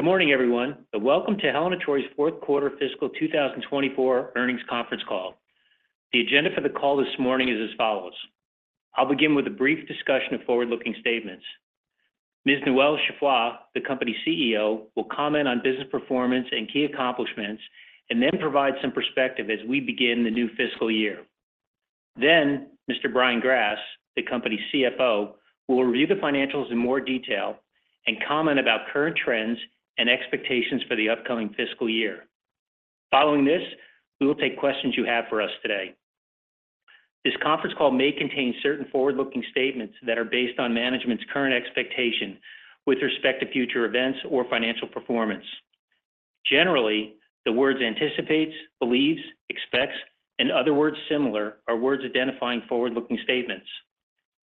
Good morning, everyone, and welcome to Helen of Troy’s fourth quarter fiscal 2024 earnings conference call. The agenda for the call this morning is as follows. I’ll begin with a brief discussion of forward-looking statements. Ms. Noel Geoffroy, the Company CEO, will comment on business performance and key accomplishments, and then provide some perspective as we begin the new fiscal year. Then Mr. Brian Grass, the Company CFO, will review the financials in more detail and comment about current trends and expectations for the upcoming fiscal year. Following this, we will take questions you have for us today. This conference call may contain certain forward-looking statements that are based on management’s current expectation with respect to future events or financial performance. Generally, the words “anticipates,” “believes,” “expects,” and other words similar are words identifying forward-looking statements.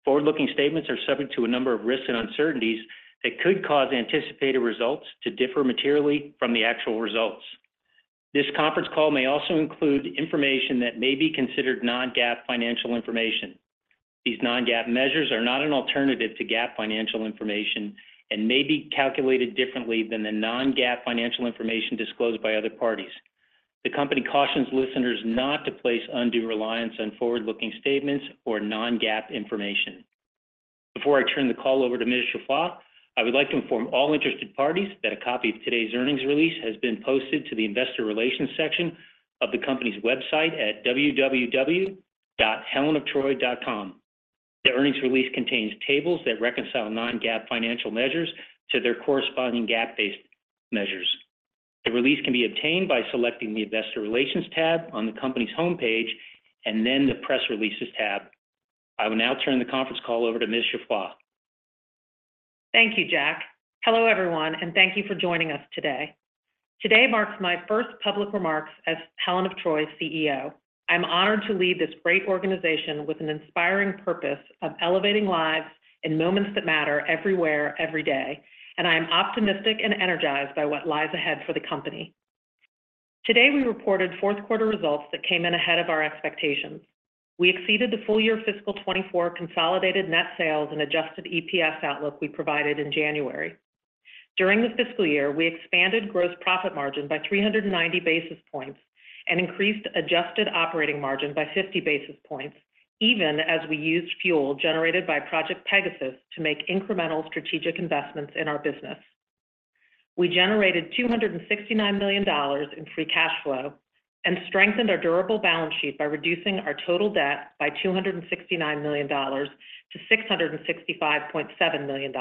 Forward-looking statements are subject to a number of risks and uncertainties that could cause anticipated results to differ materially from the actual results. This conference call may also include information that may be considered non-GAAP financial information. These non-GAAP measures are not an alternative to GAAP financial information and may be calculated differently than the non-GAAP financial information disclosed by other parties. The company cautions listeners not to place undue reliance on forward-looking statements or non-GAAP information. Before I turn the call over to Ms. Geoffroy, I would like to inform all interested parties that a copy of today's earnings release has been posted to the Investor Relations section of the company's website at www.helenoftroy.com. The earnings release contains tables that reconcile non-GAAP financial measures to their corresponding GAAP-based measures. The release can be obtained by selecting the Investor Relations tab on the company's homepage and then the Press Releases tab. I will now turn the conference call over to Ms. Geoffroy. Thank you, Jack. Hello, everyone, and thank you for joining us today. Today marks my first public remarks as Helen of Troy's CEO. I'm honored to lead this great organization with an inspiring purpose of elevating lives in moments that matter everywhere, every day, and I am optimistic and energized by what lies ahead for the company. Today we reported fourth quarter results that came in ahead of our expectations. We exceeded the full-year fiscal 2024 consolidated net sales and adjusted EPS outlook we provided in January. During the fiscal year, we expanded gross profit margin by 390 basis points and increased adjusted operating margin by 50 basis points, even as we used fuel generated by Project Pegasus to make incremental strategic investments in our business. We generated $269 million in free cash flow and strengthened our durable balance sheet by reducing our total debt by $269 million to $665.7 million.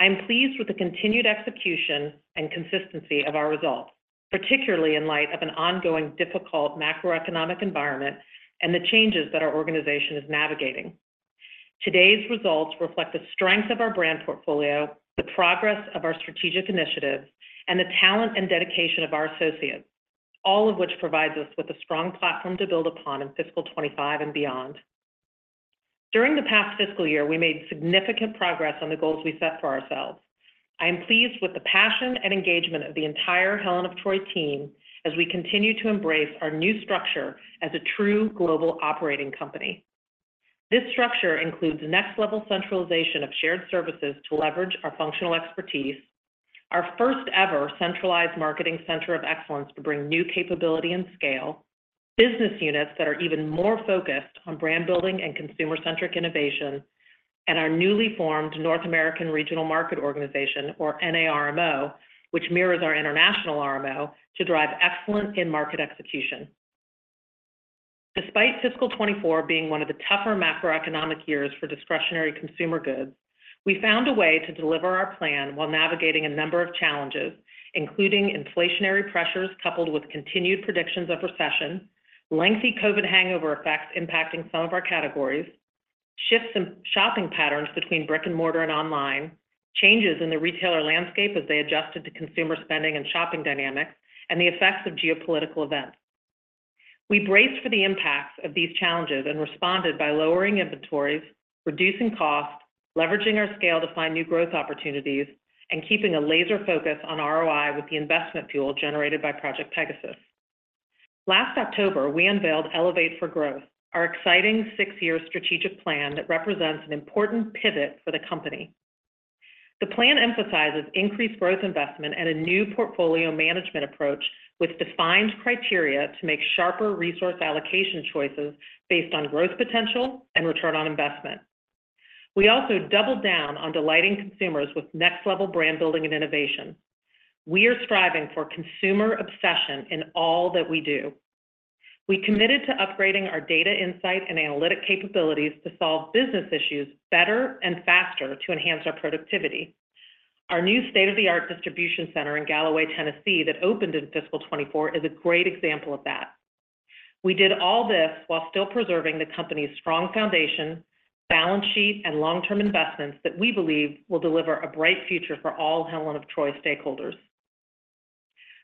I am pleased with the continued execution and consistency of our results, particularly in light of an ongoing difficult macroeconomic environment and the changes that our organization is navigating. Today's results reflect the strength of our brand portfolio, the progress of our strategic initiatives, and the talent and dedication of our associates, all of which provides us with a strong platform to build upon in fiscal 2025 and beyond. During the past fiscal year, we made significant progress on the goals we set for ourselves. I am pleased with the passion and engagement of the entire Helen of Troy team as we continue to embrace our new structure as a true global operating company. This structure includes next-level centralization of shared services to leverage our functional expertise, our first-ever centralized marketing center of excellence to bring new capability and scale, business units that are even more focused on brand building and consumer-centric innovation, and our newly formed North American Regional Market Organization, or NARMO, which mirrors our international RMO to drive excellent in-market execution. Despite fiscal 2024 being one of the tougher macroeconomic years for discretionary consumer goods, we found a way to deliver our plan while navigating a number of challenges, including inflationary pressures coupled with continued predictions of recession, lengthy COVID hangover effects impacting some of our categories, shifts in shopping patterns between brick and mortar and online, changes in the retailer landscape as they adjusted to consumer spending and shopping dynamics, and the effects of geopolitical events. We braced for the impacts of these challenges and responded by lowering inventories, reducing costs, leveraging our scale to find new growth opportunities, and keeping a laser focus on ROI with the investment fuel generated by Project Pegasus. Last October, we unveiled Elevate for Growth, our exciting six-year strategic plan that represents an important pivot for the company. The plan emphasizes increased growth investment and a new portfolio management approach with defined criteria to make sharper resource allocation choices based on growth potential and return on investment. We also doubled down on delighting consumers with next-level brand building and innovation. We are striving for consumer obsession in all that we do. We committed to upgrading our data insight and analytic capabilities to solve business issues better and faster to enhance our productivity. Our new state-of-the-art distribution center in Gallaway, Tennessee, that opened in fiscal 2024 is a great example of that. We did all this while still preserving the company's strong foundation, balance sheet, and long-term investments that we believe will deliver a bright future for all Helen of Troy stakeholders.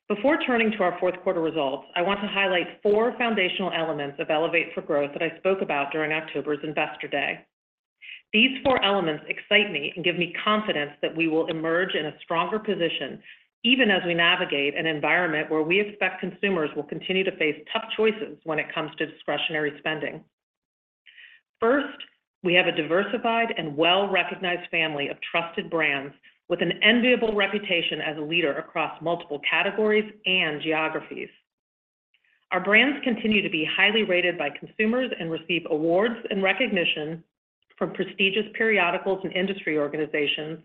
Before turning to our fourth quarter results, I want to highlight four foundational elements of Elevate for Growth that I spoke about during October's Investor Day. These four elements excite me and give me confidence that we will emerge in a stronger position even as we navigate an environment where we expect consumers will continue to face tough choices when it comes to discretionary spending. First, we have a diversified and well-recognized family of trusted brands with an enviable reputation as a leader across multiple categories and geographies. Our brands continue to be highly rated by consumers and receive awards and recognition from prestigious periodicals and industry organizations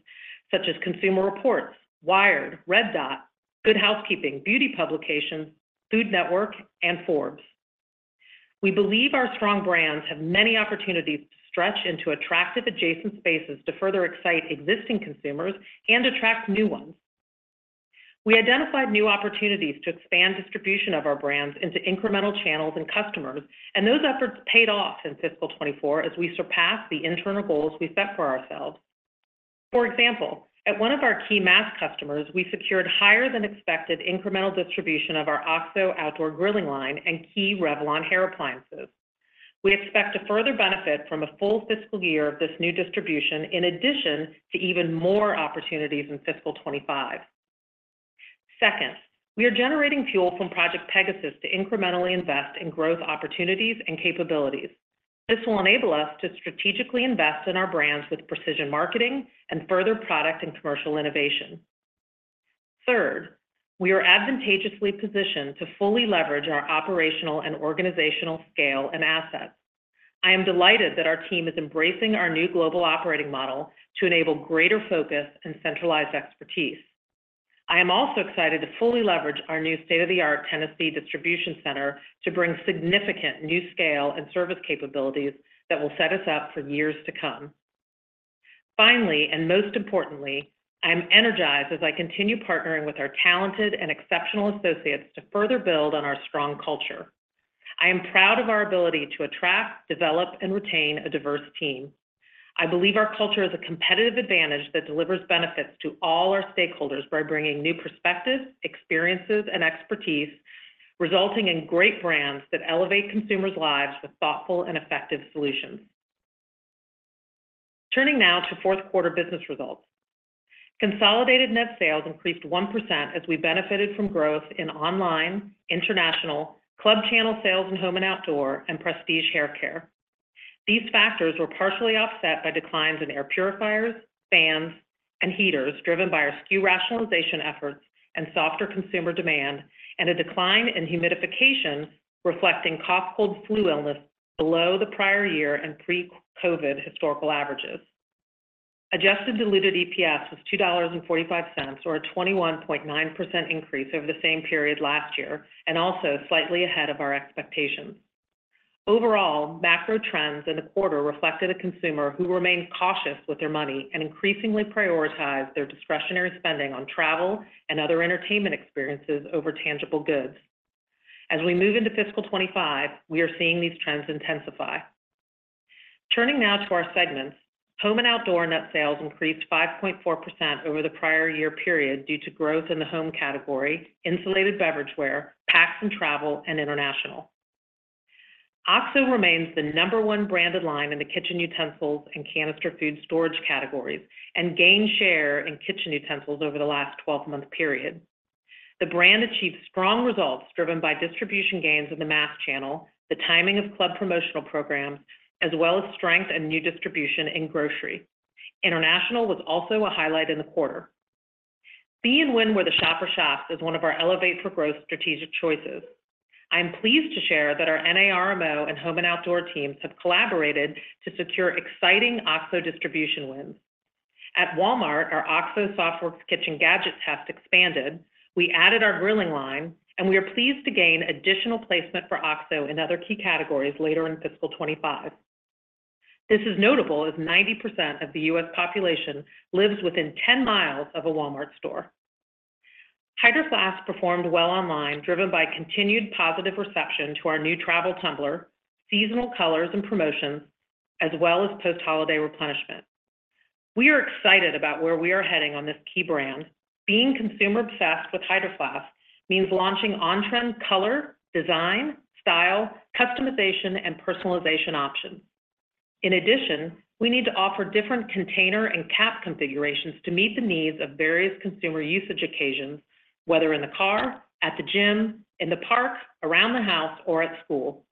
such as Consumer Reports, Wired, Red Dot, Good Housekeeping, beauty publications, Food Network, and Forbes. We believe our strong brands have many opportunities to stretch into attractive adjacent spaces to further excite existing consumers and attract new ones. We identified new opportunities to expand distribution of our brands into incremental channels and customers, and those efforts paid off in fiscal 2024 as we surpassed the internal goals we set for ourselves. For example, at one of our key mass customers, we secured higher-than-expected incremental distribution of our OXO outdoor grilling line and key Revlon hair appliances. We expect to further benefit from a full fiscal year of this new distribution in addition to even more opportunities in fiscal 2025. Second, we are generating fuel from Project Pegasus to incrementally invest in growth opportunities and capabilities. This will enable us to strategically invest in our brands with precision marketing and further product and commercial innovation. Third, we are advantageously positioned to fully leverage our operational and organizational scale and assets. I am delighted that our team is embracing our new global operating model to enable greater focus and centralized expertise. I am also excited to fully leverage our new state-of-the-art Tennessee distribution center to bring significant new scale and service capabilities that will set us up for years to come. Finally, and most importantly, I am energized as I continue partnering with our talented and exceptional associates to further build on our strong culture. I am proud of our ability to attract, develop, and retain a diverse team. I believe our culture is a competitive advantage that delivers benefits to all our stakeholders by bringing new perspectives, experiences, and expertise, resulting in great brands that elevate consumers' lives with thoughtful and effective solutions. Turning now to fourth quarter business results. Consolidated net sales increased 1% as we benefited from growth in online, international, club channel sales in home and outdoor, and prestige hair care. These factors were partially offset by declines in air purifiers, fans, and heaters driven by our SKU rationalization efforts and softer consumer demand, and a decline in humidification reflecting cough-cold flu illness below the prior year and pre-COVID historical averages. Adjusted diluted EPS was $2.45, or a 21.9% increase over the same period last year, and also slightly ahead of our expectations. Overall, macro trends in the quarter reflected a consumer who remained cautious with their money and increasingly prioritized their discretionary spending on travel and other entertainment experiences over tangible goods. As we move into fiscal 2025, we are seeing these trends intensify. Turning now to our segments, home and outdoor net sales increased 5.4% over the prior year period due to growth in the home category, insulated beverageware, packs and travel, and international. OXO remains the number one branded line in the kitchen utensils and canister food storage categories and gained share in kitchen utensils over the last 12-month period. The brand achieved strong results driven by distribution gains in the mass channel, the timing of club promotional programs, as well as strength and new distribution in grocery. International was also a highlight in the quarter. Be and win where the shopper shops is one of our Elevate for Growth strategic choices. I am pleased to share that our NARMO and home and outdoor teams have collaborated to secure exciting OXO distribution wins. At Walmart, our OXO SoftWorks kitchen gadgets have expanded, we added our grilling line, and we are pleased to gain additional placement for OXO in other key categories later in fiscal 2025. This is notable as 90% of the U.S. population lives within 10 miles of a Walmart store. Hydro Flask performed well online, driven by continued positive reception to our new travel tumbler, seasonal colors and promotions, as well as post-holiday replenishment. We are excited about where we are heading on this key brand. Being consumer-obsessed with Hydro Flask means launching on-trend color, design, style, customization, and personalization options. In addition, we need to offer different container and cap configurations to meet the needs of various consumer usage occasions, whether in the car, at the gym, in the park, around the house, or at school.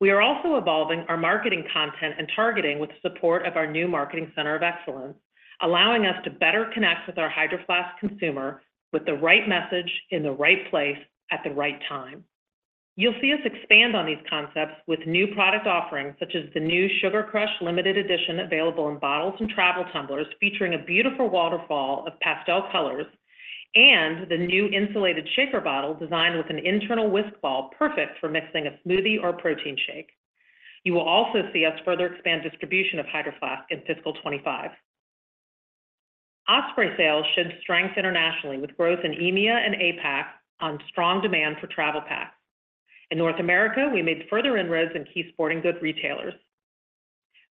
We are also evolving our marketing content and targeting with the support of our new marketing center of excellence, allowing us to better connect with our Hydro Flask consumer with the right message in the right place at the right time. You'll see us expand on these concepts with new product offerings such as the new Sugar Crush limited edition available in bottles and travel tumblers featuring a beautiful waterfall of pastel colors, and the new insulated shaker bottle designed with an internal whisk ball perfect for mixing a smoothie or protein shake. You will also see us further expand distribution of Hydro Flask in fiscal 2025. Osprey sales showed strength internationally with growth in EMEA and APAC on strong demand for travel packs. In North America, we made further inroads in key sporting goods retailers.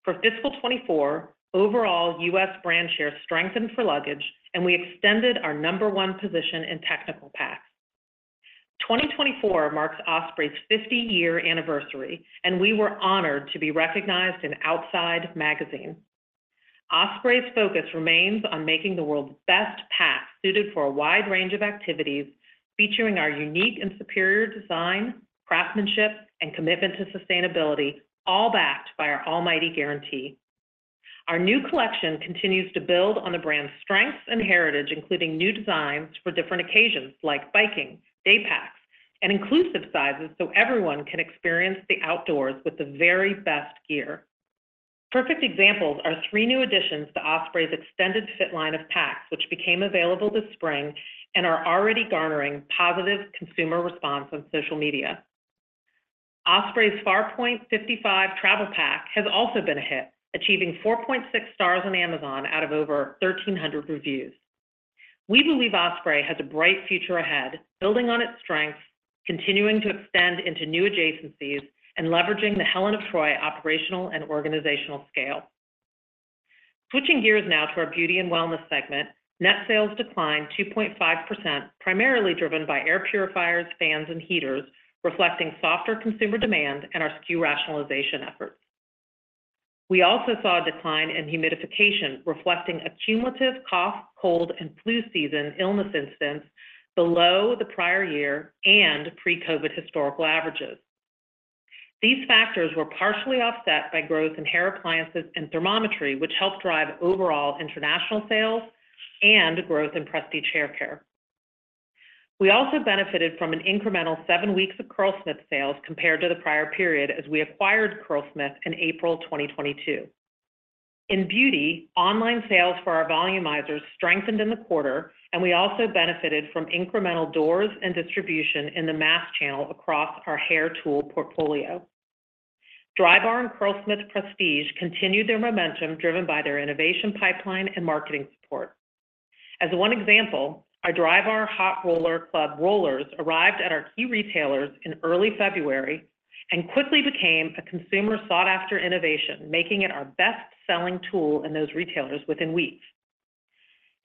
For fiscal 2024, overall U.S. brand share strengthened for luggage, and we extended our number one position in technical packs. 2024 marks Osprey's 50-year anniversary, and we were honored to be recognized in Outside magazine. Osprey's focus remains on making the world's best packs suited for a wide range of activities, featuring our unique and superior design, craftsmanship, and commitment to sustainability, all backed by our almighty guarantee. Our new collection continues to build on the brand's strengths and heritage, including new designs for different occasions like biking, day packs, and inclusive sizes so everyone can experience the outdoors with the very best gear. Perfect examples are three new additions to Osprey's Extended Fit line of packs, which became available this spring and are already garnering positive consumer response on social media. Osprey's Farpoint 55 travel pack has also been a hit, achieving 4.6 stars on Amazon out of over 1,300 reviews. We believe Osprey has a bright future ahead, building on its strengths, continuing to extend into new adjacencies, and leveraging the Helen of Troy operational and organizational scale. Switching gears now to our beauty and wellness segment, net sales declined 2.5%, primarily driven by air purifiers, fans, and heaters, reflecting softer consumer demand and our SKU rationalization efforts. We also saw a decline in humidification, reflecting cumulative cough, cold, and flu season illness incidents below the prior year and pre-COVID historical averages. These factors were partially offset by growth in hair appliances and thermometry, which helped drive overall international sales and growth in prestige hair care. We also benefited from an incremental seven weeks of Curlsmith sales compared to the prior period as we acquired Curlsmith in April 2022. In beauty, online sales for our volumizers strengthened in the quarter, and we also benefited from incremental doors and distribution in the mass channel across our hair tool portfolio. Drybar and Curlsmith prestige continued their momentum driven by their innovation pipeline and marketing support. As one example, our Drybar Hot Roller Club rollers arrived at our key retailers in early February and quickly became a consumer sought-after innovation, making it our best-selling tool in those retailers within weeks.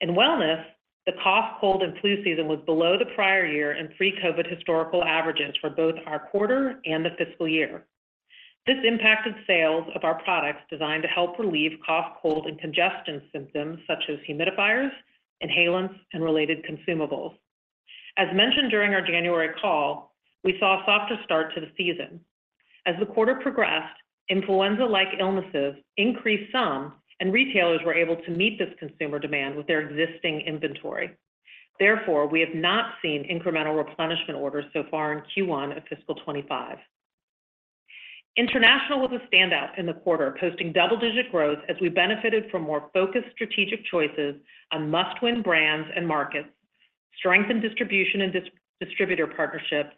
In wellness, the cough, cold, and flu season was below the prior year and pre-COVID historical averages for both our quarter and the fiscal year. This impacted sales of our products designed to help relieve cough, cold, and congestion symptoms such as humidifiers, inhalants, and related consumables. As mentioned during our January call, we saw a softer start to the season. As the quarter progressed, influenza-like illnesses increased some, and retailers were able to meet this consumer demand with their existing inventory. Therefore, we have not seen incremental replenishment orders so far in Q1 of fiscal 2025. International was a standout in the quarter, posting double-digit growth as we benefited from more focused strategic choices on must-win brands and markets, strengthened distribution and distributor partnerships,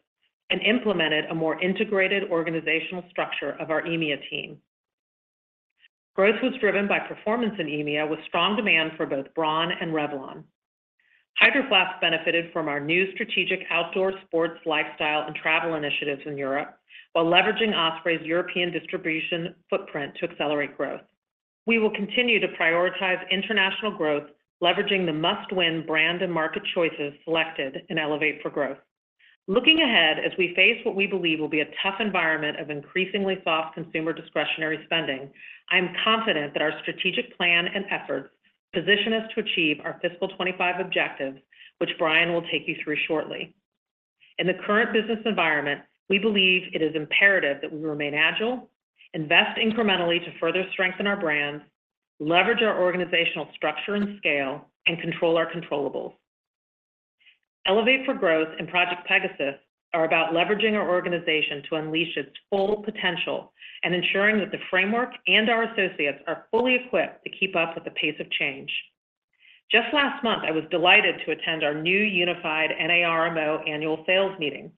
and implemented a more integrated organizational structure of our EMEA team. Growth was driven by performance in EMEA with strong demand for both Braun and Revlon. Hydro Flask benefited from our new strategic outdoor sports, lifestyle, and travel initiatives in Europe while leveraging Osprey's European distribution footprint to accelerate growth. We will continue to prioritize international growth, leveraging the must-win brand and market choices selected in Elevate for Growth. Looking ahead as we face what we believe will be a tough environment of increasingly soft consumer discretionary spending, I am confident that our strategic plan and efforts position us to achieve our fiscal 2025 objectives, which Brian will take you through shortly. In the current business environment, we believe it is imperative that we remain agile, invest incrementally to further strengthen our brands, leverage our organizational structure and scale, and control our controllables. Elevate for Growth and Project Pegasus are about leveraging our organization to unleash its full potential and ensuring that the framework and our associates are fully equipped to keep up with the pace of change. Just last month, I was delighted to attend our new unified NARMO annual sales meetings.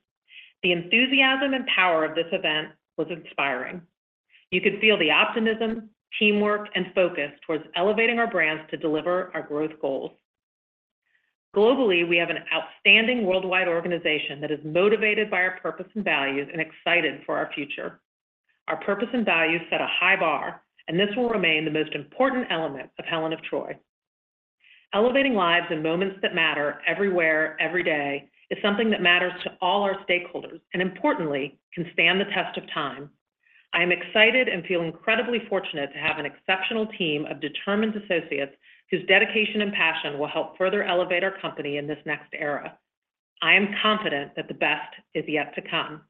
The enthusiasm and power of this event was inspiring. You could feel the optimism, teamwork, and focus towards elevating our brands to deliver our growth goals. Globally, we have an outstanding worldwide organization that is motivated by our purpose and values and excited for our future. Our purpose and values set a high bar, and this will remain the most important element of Helen of Troy. Elevating lives in moments that matter everywhere, every day, is something that matters to all our stakeholders and, importantly, can stand the test of time. I am excited and feel incredibly fortunate to have an exceptional team of determined associates whose dedication and passion will help further elevate our company in this next era. I am confident that the best is yet to come.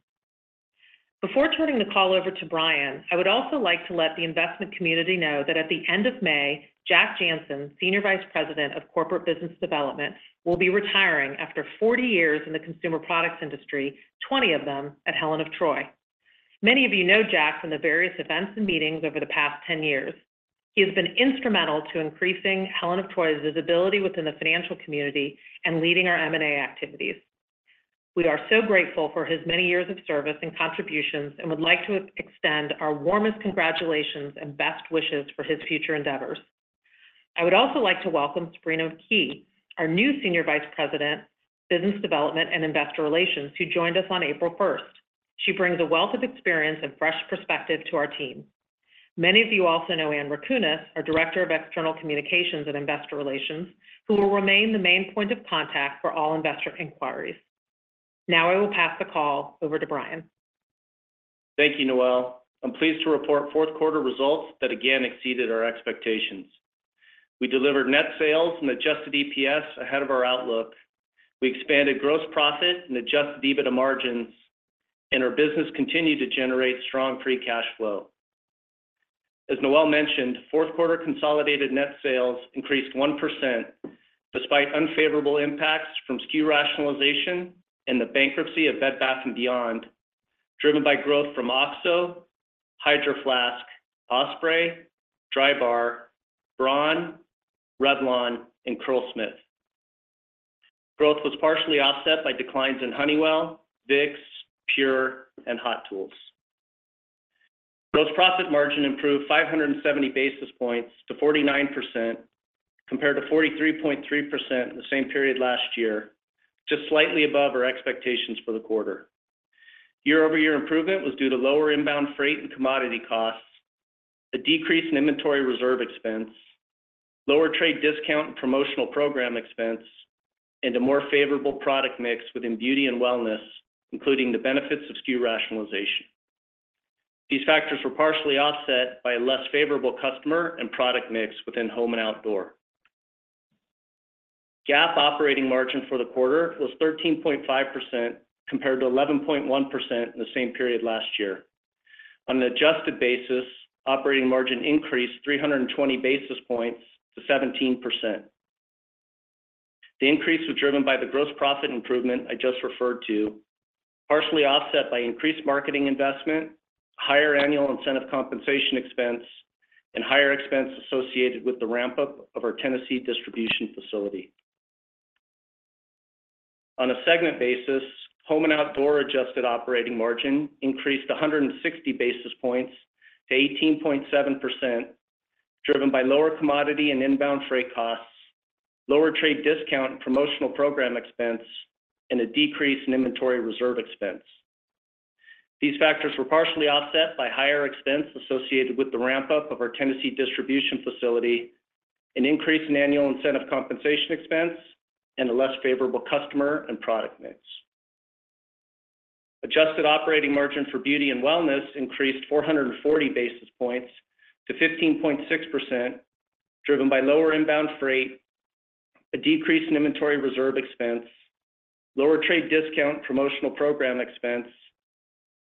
Before turning the call over to Brian, I would also like to let the investment community know that at the end of May, Jack Jancin, Senior Vice President of Corporate Business Development, will be retiring after 40 years in the consumer products industry, 20 of them at Helen of Troy. Many of you know Jack from the various events and meetings over the past 10 years. He has been instrumental to increasing Helen of Troy's visibility within the financial community and leading our M&A activities. We are so grateful for his many years of service and contributions and would like to extend our warmest congratulations and best wishes for his future endeavors. I would also like to welcome Sabrina McKee, our new Senior Vice President, Business Development and Investor Relations, who joined us on April 1st. She brings a wealth of experience and fresh perspective to our team. Many of you also know Anne Rakunas, our Director of External Communications and Investor Relations, who will remain the main point of contact for all investor inquiries. Now I will pass the call over to Brian. Thank you, Noel. I'm pleased to report fourth quarter results that again exceeded our expectations. We delivered net sales and adjusted EPS ahead of our outlook. We expanded gross profit and adjusted EBITDA margins, and our business continued to generate strong free cash flow. As Noel mentioned, fourth quarter consolidated net sales increased 1% despite unfavorable impacts from SKU rationalization and the bankruptcy of Bed Bath & Beyond, driven by growth from OXO, Hydro Flask, Osprey, Drybar, Braun, Revlon, and Curlsmith. Growth was partially offset by declines in Honeywell, Vicks, PUR, and Hot Tools. Gross profit margin improved 570 basis points to 49% compared to 43.3% in the same period last year, just slightly above our expectations for the quarter. Year-over-year improvement was due to lower inbound freight and commodity costs, a decrease in inventory reserve expense, lower trade discount and promotional program expense, and a more favorable product mix within beauty and wellness, including the benefits of SKU rationalization. These factors were partially offset by a less favorable customer and product mix within home and outdoor. GAAP operating margin for the quarter was 13.5% compared to 11.1% in the same period last year. On an adjusted basis, operating margin increased 320 basis points to 17%. The increase was driven by the gross profit improvement I just referred to, partially offset by increased marketing investment, higher annual incentive compensation expense, and higher expense associated with the ramp-up of our Tennessee distribution facility. On a segment basis, home and outdoor adjusted operating margin increased 160 basis points to 18.7%, driven by lower commodity and inbound freight costs, lower trade discount and promotional program expense, and a decrease in inventory reserve expense. These factors were partially offset by higher expense associated with the ramp-up of our Tennessee distribution facility, an increase in annual incentive compensation expense, and a less favorable customer and product mix. Adjusted operating margin for beauty and wellness increased 440 basis points to 15.6%, driven by lower inbound freight, a decrease in inventory reserve expense, lower trade discount and promotional program expense,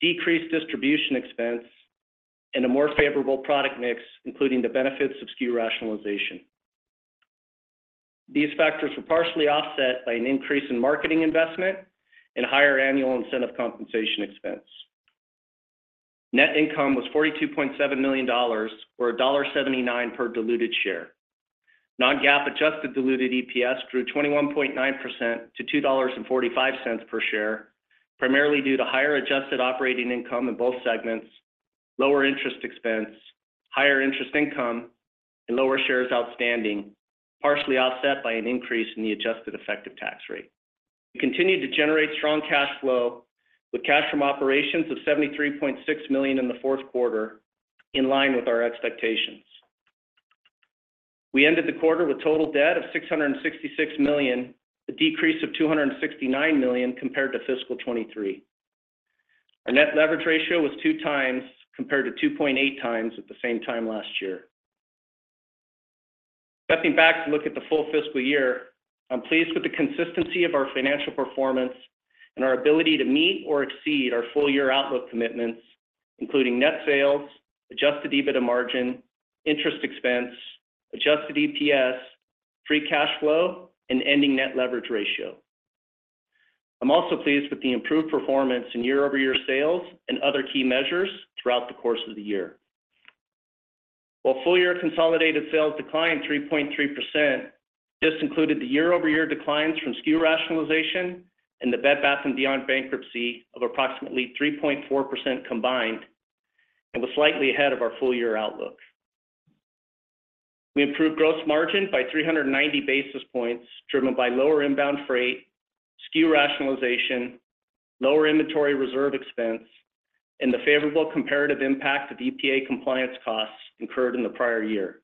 decreased distribution expense, and a more favorable product mix, including the benefits of SKU Rationalization. These factors were partially offset by an increase in marketing investment and higher annual incentive compensation expense. Net income was $42.7 million or $1.79 per diluted share. Non-GAAP adjusted diluted EPS grew 21.9% to $2.45 per share, primarily due to higher adjusted operating income in both segments, lower interest expense, higher interest income, and lower shares outstanding, partially offset by an increase in the adjusted effective tax rate. We continued to generate strong cash flow with cash from operations of $73.6 million in the fourth quarter, in line with our expectations. We ended the quarter with total debt of $666 million, a decrease of $269 million compared to fiscal 2023. Our Net Leverage Ratio was two times compared to 2.8 times at the same time last year. Stepping back to look at the full fiscal year, I'm pleased with the consistency of our financial performance and our ability to meet or exceed our full-year outlook commitments, including net sales, Adjusted EBITDA margin, interest expense, Adjusted EPS, Free Cash Flow, and ending Net Leverage Ratio. I'm also pleased with the improved performance in year-over-year sales and other key measures throughout the course of the year. While full-year consolidated sales declined 3.3%, this included the year-over-year declines from SKU rationalization and the Bed Bath & Beyond bankruptcy of approximately 3.4% combined, and was slightly ahead of our full-year outlook. We improved gross margin by 390 basis points driven by lower inbound freight, SKU rationalization, lower inventory reserve expense, and the favorable comparative impact of EPA compliance costs incurred in the prior year.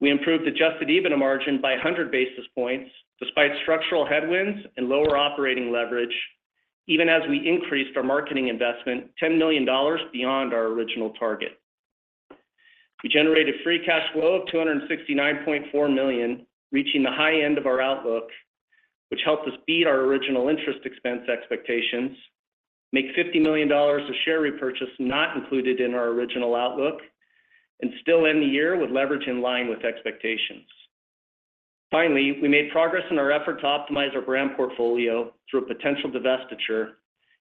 We improved Adjusted EBITDA margin by 100 basis points despite structural headwinds and lower operating leverage, even as we increased our marketing investment $10 million beyond our original target. We generated free cash flow of $269.4 million, reaching the high end of our outlook, which helped us beat our original interest expense expectations, make $50 million of share repurchase not included in our original outlook, and still end the year with leverage in line with expectations. Finally, we made progress in our effort to optimize our brand portfolio through a potential divestiture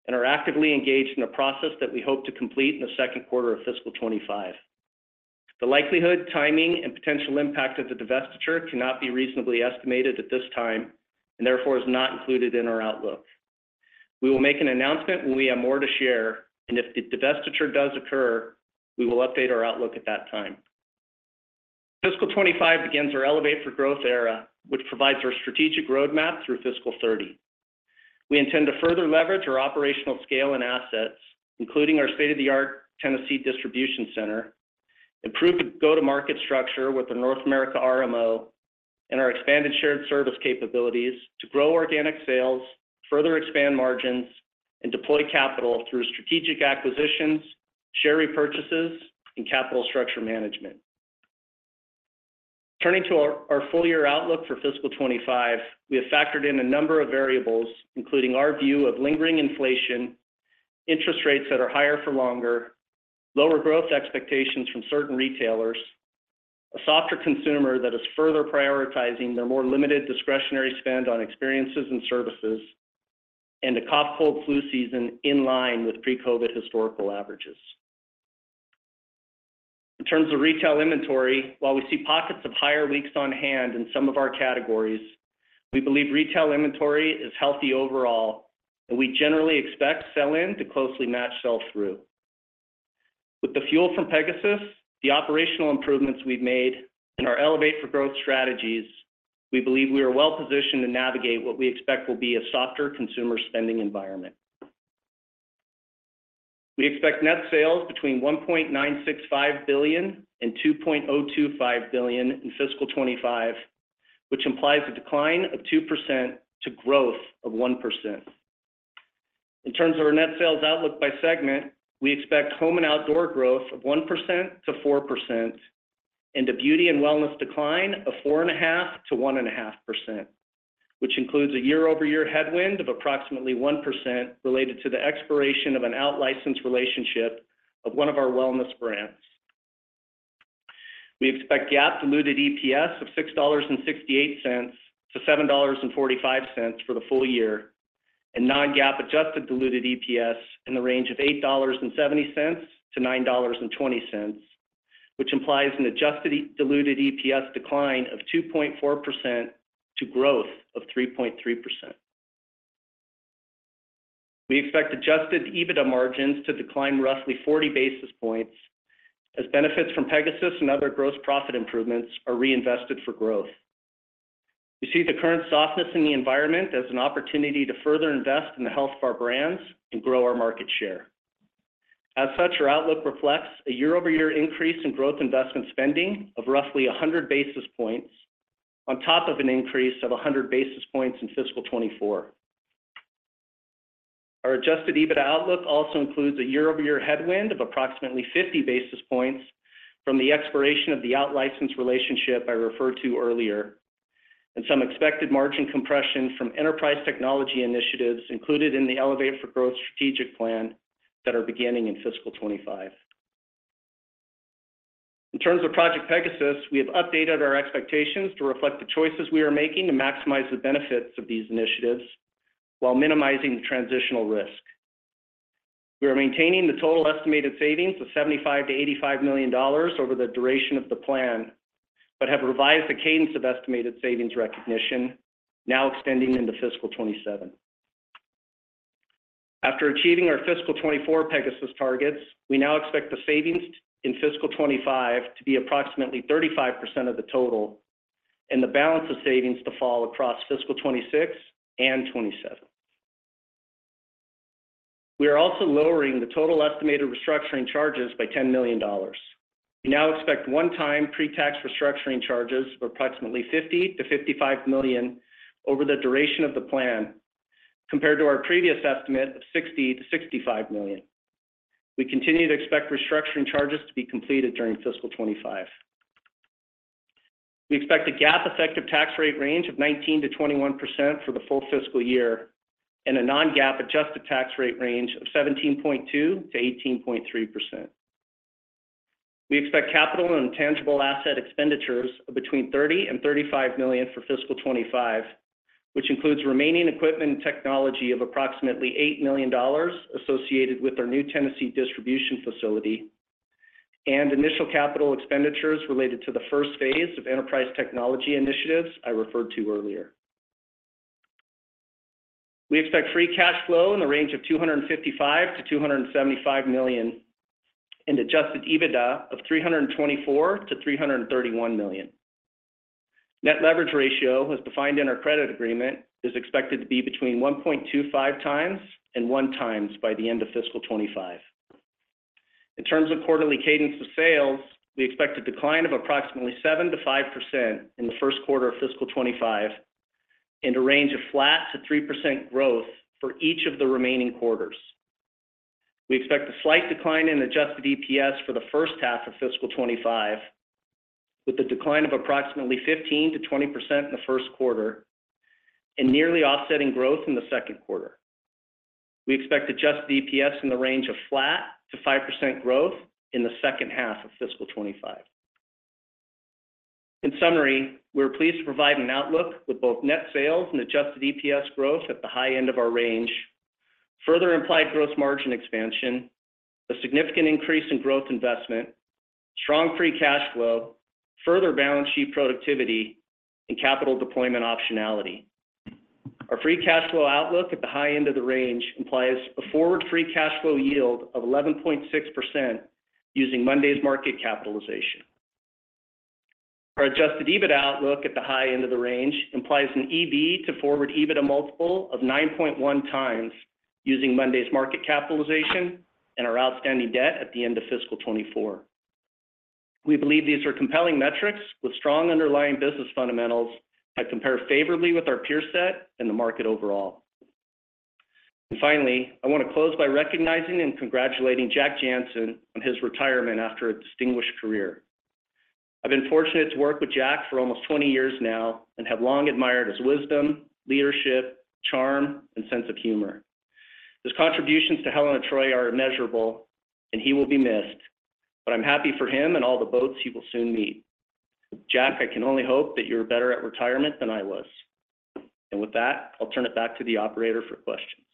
and are actively engaged in a process that we hope to complete in the second quarter of fiscal 2025. The likelihood, timing, and potential impact of the divestiture cannot be reasonably estimated at this time and therefore is not included in our outlook. We will make an announcement when we have more to share, and if the divestiture does occur, we will update our outlook at that time. Fiscal 2025 begins our Elevate for Growth era, which provides our strategic roadmap through fiscal 2030. We intend to further leverage our operational scale and assets, including our state-of-the-art Tennessee Distribution Center, improve the go-to-market structure with our North American RMO, and our expanded shared service capabilities to grow organic sales, further expand margins, and deploy capital through strategic acquisitions, share repurchases, and capital structure management. Turning to our full-year outlook for fiscal 2025, we have factored in a number of variables, including our view of lingering inflation, interest rates that are higher for longer, lower growth expectations from certain retailers, a softer consumer that is further prioritizing their more limited discretionary spend on experiences and services, and a cough-cold-flu season in line with pre-COVID historical averages. In terms of retail inventory, while we see pockets of higher weeks on hand in some of our categories, we believe retail inventory is healthy overall, and we generally expect sell-in to closely match sell-through. With the fuel from Pegasus, the operational improvements we've made, and our Elevate for Growth strategies, we believe we are well positioned to navigate what we expect will be a softer consumer spending environment. We expect net sales between $1.965 billion-$2.025 billion in fiscal 2025, which implies a decline of 2% to growth of 1%. In terms of our net sales outlook by segment, we expect home and outdoor growth of 1%-4% and a beauty and wellness decline of 4.5%-1.5%, which includes a year-over-year headwind of approximately 1% related to the expiration of an out-licensed relationship of one of our wellness brands. We expect GAAP diluted EPS of $6.68-$7.45 for the full year, and non-GAAP adjusted diluted EPS in the range of $8.70-$9.20, which implies an adjusted diluted EPS decline of 2.4% to growth of 3.3%. We expect Adjusted EBITDA margins to decline roughly 40 basis points as benefits from Pegasus and other gross profit improvements are reinvested for growth. We see the current softness in the environment as an opportunity to further invest in the health of our brands and grow our market share. As such, our outlook reflects a year-over-year increase in growth investment spending of roughly 100 basis points on top of an increase of 100 basis points in fiscal 2024. Our Adjusted EBITDA outlook also includes a year-over-year headwind of approximately 50 basis points from the expiration of the out-licensed relationship I referred to earlier, and some expected margin compression from enterprise technology initiatives included in the Elevate for Growth strategic plan that are beginning in fiscal 2025. In terms of Project Pegasus, we have updated our expectations to reflect the choices we are making to maximize the benefits of these initiatives while minimizing the transitional risk. We are maintaining the total estimated savings of $75 million-$85 million over the duration of the plan, but have revised the cadence of estimated savings recognition, now extending into fiscal 2027. After achieving our fiscal 2024 Pegasus targets, we now expect the savings in fiscal 2025 to be approximately 35% of the total, and the balance of savings to fall across fiscal 2026 and 2027. We are also lowering the total estimated restructuring charges by $10 million. We now expect one-time pre-tax restructuring charges of approximately $50 million-$55 million over the duration of the plan compared to our previous estimate of $60 million-$65 million. We continue to expect restructuring charges to be completed during fiscal 2025. We expect a GAAP effective tax rate range of 19%-21% for the full fiscal year, and a non-GAAP adjusted tax rate range of 17.2%-18.3%. We expect capital and intangible asset expenditures of between $30 million-$35 million for fiscal 2025, which includes remaining equipment and technology of approximately $8 million associated with our new Tennessee distribution facility, and initial capital expenditures related to the first phase of enterprise technology initiatives I referred to earlier. We expect free cash flow in the range of $255 million-$275 million, and Adjusted EBITDA of $324 million-$331 million. Net Leverage Ratio, as defined in our credit agreement, is expected to be between 1.25x and 1x by the end of fiscal 2025. In terms of quarterly cadence of sales, we expect a decline of approximately 7%-5% in the first quarter of fiscal 2025, and a range of flat to 3% growth for each of the remaining quarters. We expect a slight decline in adjusted EPS for the first half of fiscal 2025, with a decline of approximately 15%-20% in the first quarter, and nearly offsetting growth in the second quarter. We expect adjusted EPS in the range of flat to 5% growth in the second half of fiscal 2025. In summary, we're pleased to provide an outlook with both net sales and adjusted EPS growth at the high end of our range, further implied gross margin expansion, a significant increase in growth investment, strong free cash flow, further balance sheet productivity, and capital deployment optionality. Our free cash flow outlook at the high end of the range implies a forward free cash flow yield of 11.6% using Monday's market capitalization. Our adjusted EBITDA outlook at the high end of the range implies an EV to forward EBITDA multiple of 9.1x using Monday's market capitalization and our outstanding debt at the end of fiscal 2024. We believe these are compelling metrics with strong underlying business fundamentals that compare favorably with our peer set and the market overall. And finally, I want to close by recognizing and congratulating Jack Jancin on his retirement after a distinguished career. I've been fortunate to work with Jack for almost 20 years now and have long admired his wisdom, leadership, charm, and sense of humor. His contributions to Helen of Troy are immeasurable, and he will be missed, but I'm happy for him and all the boats he will soon meet. Jack, I can only hope that you're better at retirement than I was. And with that, I'll turn it back to the operator for questions.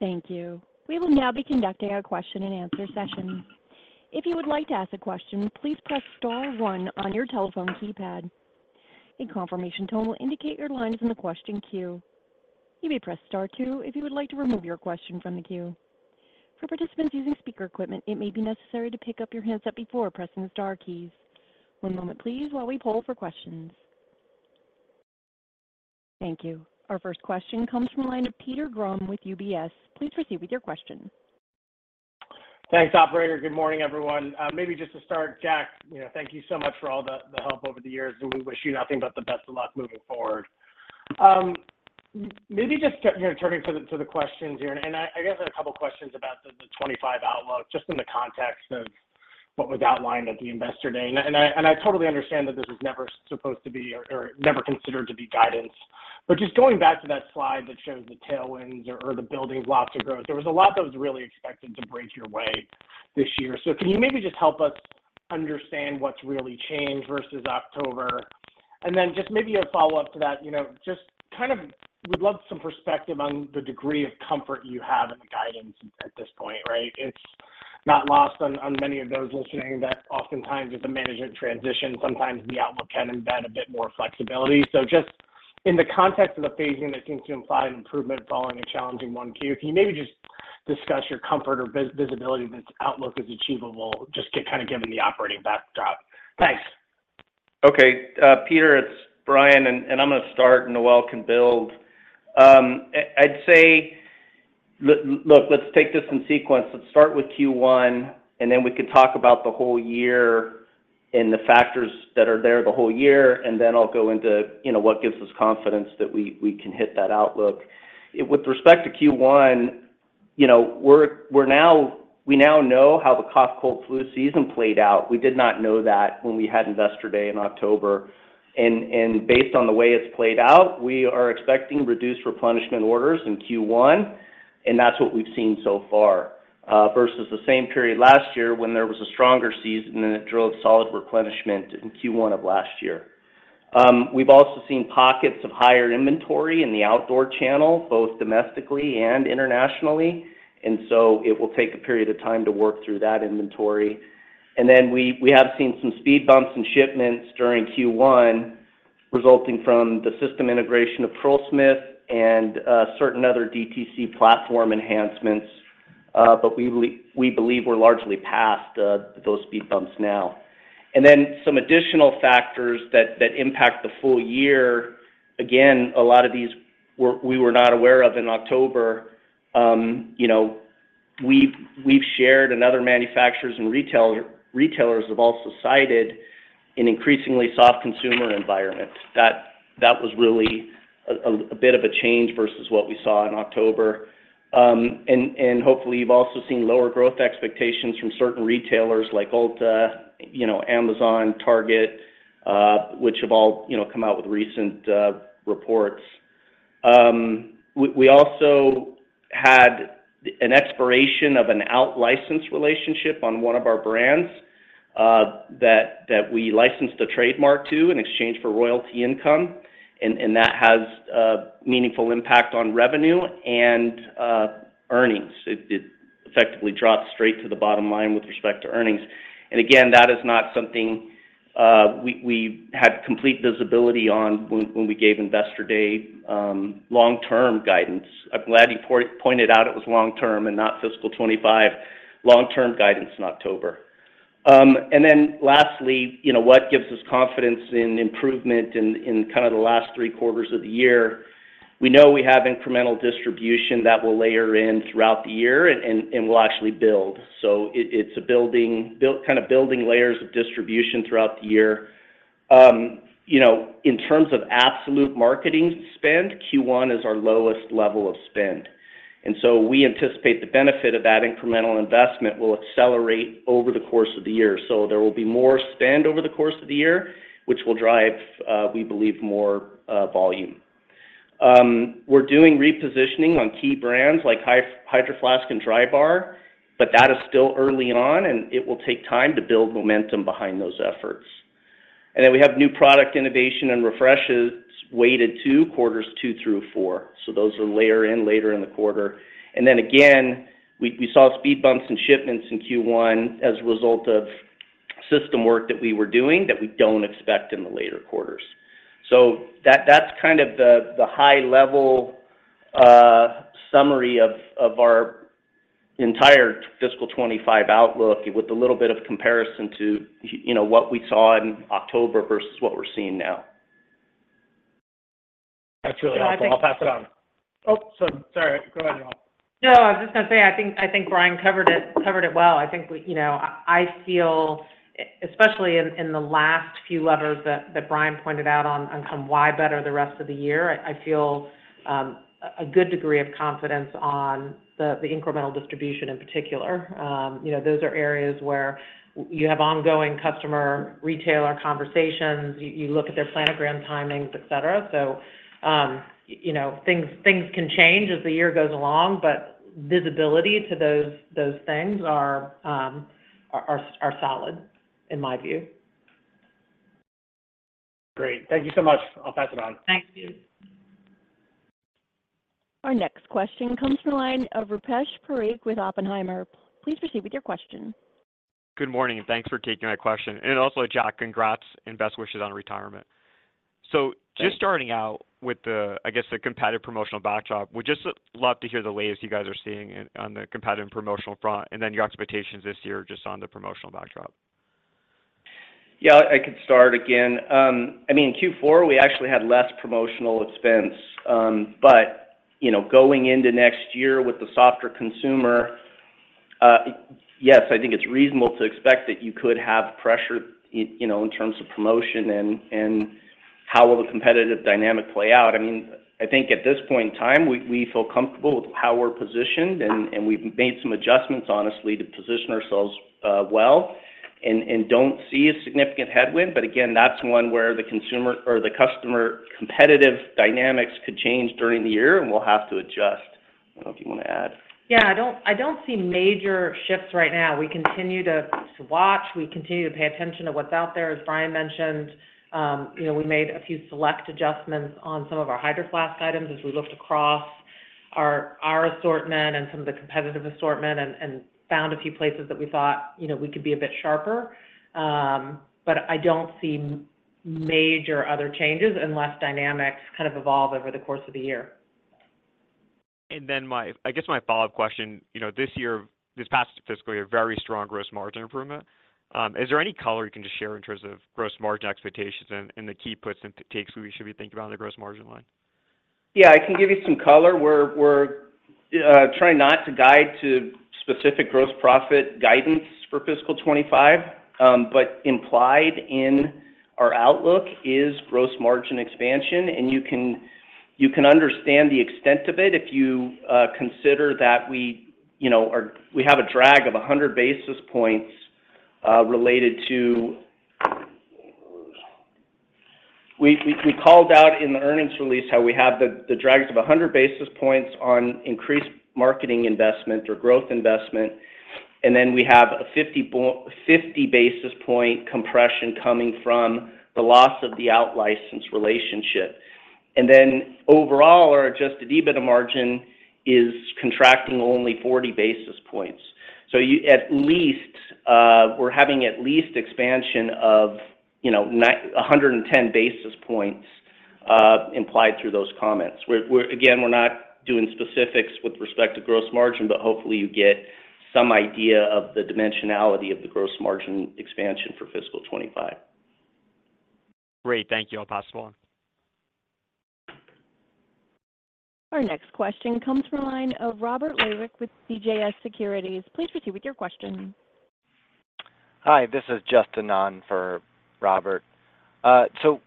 Thank you. We will now be conducting a question and answer session. If you would like to ask a question, please press star one on your telephone keypad. A confirmation tone will indicate your line is in the question queue. You may press star two if you would like to remove your question from the queue. For participants using speaker equipment, it may be necessary to pick up your handset before pressing the star keys. One moment, please, while we poll for questions. Thank you. Our first question comes from a line of Peter Grom with UBS. Please proceed with your question. Thanks, operator. Good morning, everyone. Maybe just to start, Jack, thank you so much for all the help over the years, and we wish you nothing but the best of luck moving forward. Maybe just turning to the questions here, and I guess I have a couple of questions about the 2025 outlook just in the context of what was outlined at the investor day. I totally understand that this was never supposed to be or never considered to be guidance. Just going back to that slide that shows the tailwinds or the building blocks of growth, there was a lot that was really expected to break your way this year. Can you maybe just help us understand what's really changed versus October? Then just maybe a follow-up to that, just kind of we'd love some perspective on the degree of comfort you have in the guidance at this point, right? It's not lost on many of those listening that oftentimes it's a management transition. Sometimes the outlook can embed a bit more flexibility. So just in the context of the phasing that seems to imply an improvement following a challenging Q1, can you maybe just discuss your comfort or visibility that this outlook is achievable, just kind of given the operating backdrop? Thanks. Okay, Peter, it's Brian, and I'm going to start, and Noel can build. I'd say, look, let's take this in sequence. Let's start with Q1, and then we can talk about the whole year and the factors that are there the whole year, and then I'll go into what gives us confidence that we can hit that outlook. With respect to Q1, we now know how the cough-cold-flu season played out. We did not know that when we had investor day in October. Based on the way it's played out, we are expecting reduced replenishment orders in Q1, and that's what we've seen so far versus the same period last year when there was a stronger season and it drove solid replenishment in Q1 of last year. We've also seen pockets of higher inventory in the outdoor channel, both domestically and internationally, and so it will take a period of time to work through that inventory. And then we have seen some speed bumps in shipments during Q1 resulting from the system integration of PearlSmith and certain other DTC platform enhancements, but we believe we're largely past those speed bumps now. And then some additional factors that impact the full year. Again, a lot of these we were not aware of in October. We've shared, and other manufacturers and retailers have also cited an increasingly soft consumer environment. That was really a bit of a change versus what we saw in October. And hopefully, you've also seen lower growth expectations from certain retailers like Ulta, Amazon, Target, which have all come out with recent reports. We also had an expiration of an out-licensed relationship on one of our brands that we licensed a trademark to in exchange for royalty income, and that has a meaningful impact on revenue and earnings. It effectively dropped straight to the bottom line with respect to earnings. And again, that is not something we had complete visibility on when we gave investor day long-term guidance. I'm glad you pointed out it was long-term and not fiscal 2025. Long-term guidance in October. And then lastly, what gives us confidence in improvement in kind of the last three quarters of the year? We know we have incremental distribution that will layer in throughout the year and will actually build. So it's kind of building layers of distribution throughout the year. In terms of absolute marketing spend, Q1 is our lowest level of spend. We anticipate the benefit of that incremental investment will accelerate over the course of the year. So there will be more spend over the course of the year, which will drive, we believe, more volume. We're doing repositioning on key brands like Hydro Flask and Drybar, but that is still early on, and it will take time to build momentum behind those efforts. Then we have new product innovation and refreshes weighted to quarters two through four. So those will layer in later in the quarter. Then again, we saw speed bumps in shipments in Q1 as a result of system work that we were doing that we don't expect in the later quarters. So that's kind of the high-level summary of our entire fiscal 2025 outlook with a little bit of comparison to what we saw in October versus what we're seeing now. That's really helpful. I'll pass it on. Oh, sorry. Go ahead, Noel. No, I was just going to say I think Brian covered it well. I think I feel, especially in the last few levers that Brian pointed out on kind of why better the rest of the year, I feel a good degree of confidence on the incremental distribution in particular. Those are areas where you have ongoing customer-retailer conversations. You look at their planogram timings, etc. So things can change as the year goes along, but visibility to those things are solid, in my view. Great. Thank you so much. I'll pass it on. Thank you. Our next question comes from a line of Rupesh Parikh with Oppenheimer. Please proceed with your question. Good morning. Thanks for taking my question. Also, Jack, congrats and best wishes on retirement. Just starting out with, I guess, the competitive promotional backdrop, we'd just love to hear the latest you guys are seeing on the competitive promotional front and then your expectations this year just on the promotional backdrop. Yeah, I could start again. I mean, Q4, we actually had less promotional expense. But going into next year with the softer consumer, yes, I think it's reasonable to expect that you could have pressure in terms of promotion and how the competitive dynamic will play out. I mean, I think at this point in time, we feel comfortable with how we're positioned, and we've made some adjustments, honestly, to position ourselves well and don't see a significant headwind. But again, that's one where the consumer or the customer competitive dynamics could change during the year, and we'll have to adjust. I don't know if you want to add. Yeah, I don't see major shifts right now. We continue to watch. We continue to pay attention to what's out there. As Brian mentioned, we made a few select adjustments on some of our Hydro Flask items as we looked across our assortment and some of the competitive assortment and found a few places that we thought we could be a bit sharper. But I don't see major other changes unless dynamics kind of evolve over the course of the year. Then I guess my follow-up question, this past fiscal year, very strong gross margin improvement. Is there any color you can just share in terms of gross margin expectations and the key puts and takes we should be thinking about on the gross margin line? Yeah, I can give you some color. We're trying not to guide to specific gross profit guidance for fiscal 2025, but implied in our outlook is gross margin expansion, and you can understand the extent of it if you consider that we have a drag of 100 basis points related to we called out in the earnings release how we have the drags of 100 basis points on increased marketing investment or growth investment, and then we have a 50 basis point compression coming from the loss of the out-licensed relationship. And then overall, our Adjusted EBITDA margin is contracting only 40 basis points. So we're having at least expansion of 110 basis points implied through those comments. Again, we're not doing specifics with respect to gross margin, but hopefully, you get some idea of the dimensionality of the gross margin expansion for fiscal 2025. Great. Thank you, I'll pass it on. Our next question comes from a line of Robert Labick with CJS Securities. Please proceed with your question. Hi, this is Justin Nunn for Robert. So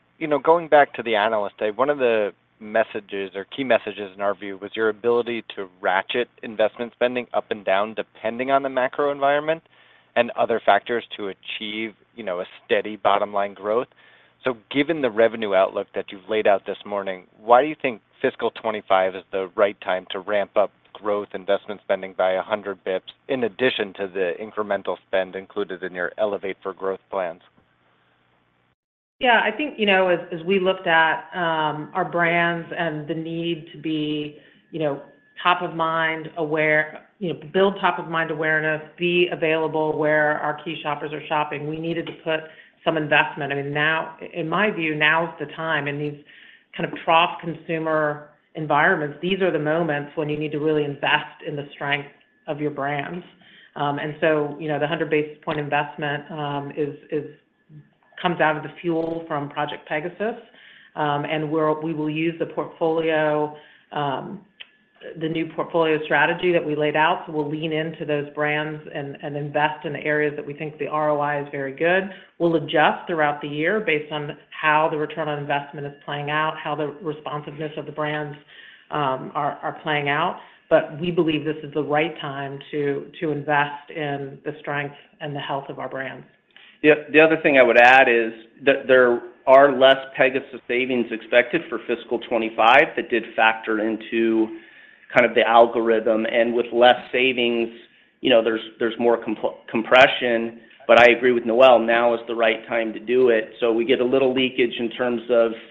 going back to the analyst day, one of the messages or key messages in our view was your ability to ratchet investment spending up and down depending on the macro environment and other factors to achieve a steady bottom line growth. So given the revenue outlook that you've laid out this morning, why do you think fiscal 2025 is the right time to ramp up growth investment spending by 100 basis points in addition to the incremental spend included in your Elevate for Growth plans? Yeah, I think as we looked at our brands and the need to be top of mind, build top of mind awareness, be available where our key shoppers are shopping, we needed to put some investment. I mean, in my view, now's the time. In these kind of trough consumer environments, these are the moments when you need to really invest in the strength of your brands. And so the 100 basis points investment comes out of the fuel from Project Pegasus, and we will use the new portfolio strategy that we laid out. So we'll lean into those brands and invest in the areas that we think the ROI is very good. We'll adjust throughout the year based on how the return on investment is playing out, how the responsiveness of the brands are playing out. But we believe this is the right time to invest in the strength and the health of our brands. Yeah. The other thing I would add is there are less Pegasus savings expected for fiscal 2025 that did factor into kind of the algorithm. With less savings, there's more compression. I agree with Noel, now is the right time to do it. We get a little leakage in terms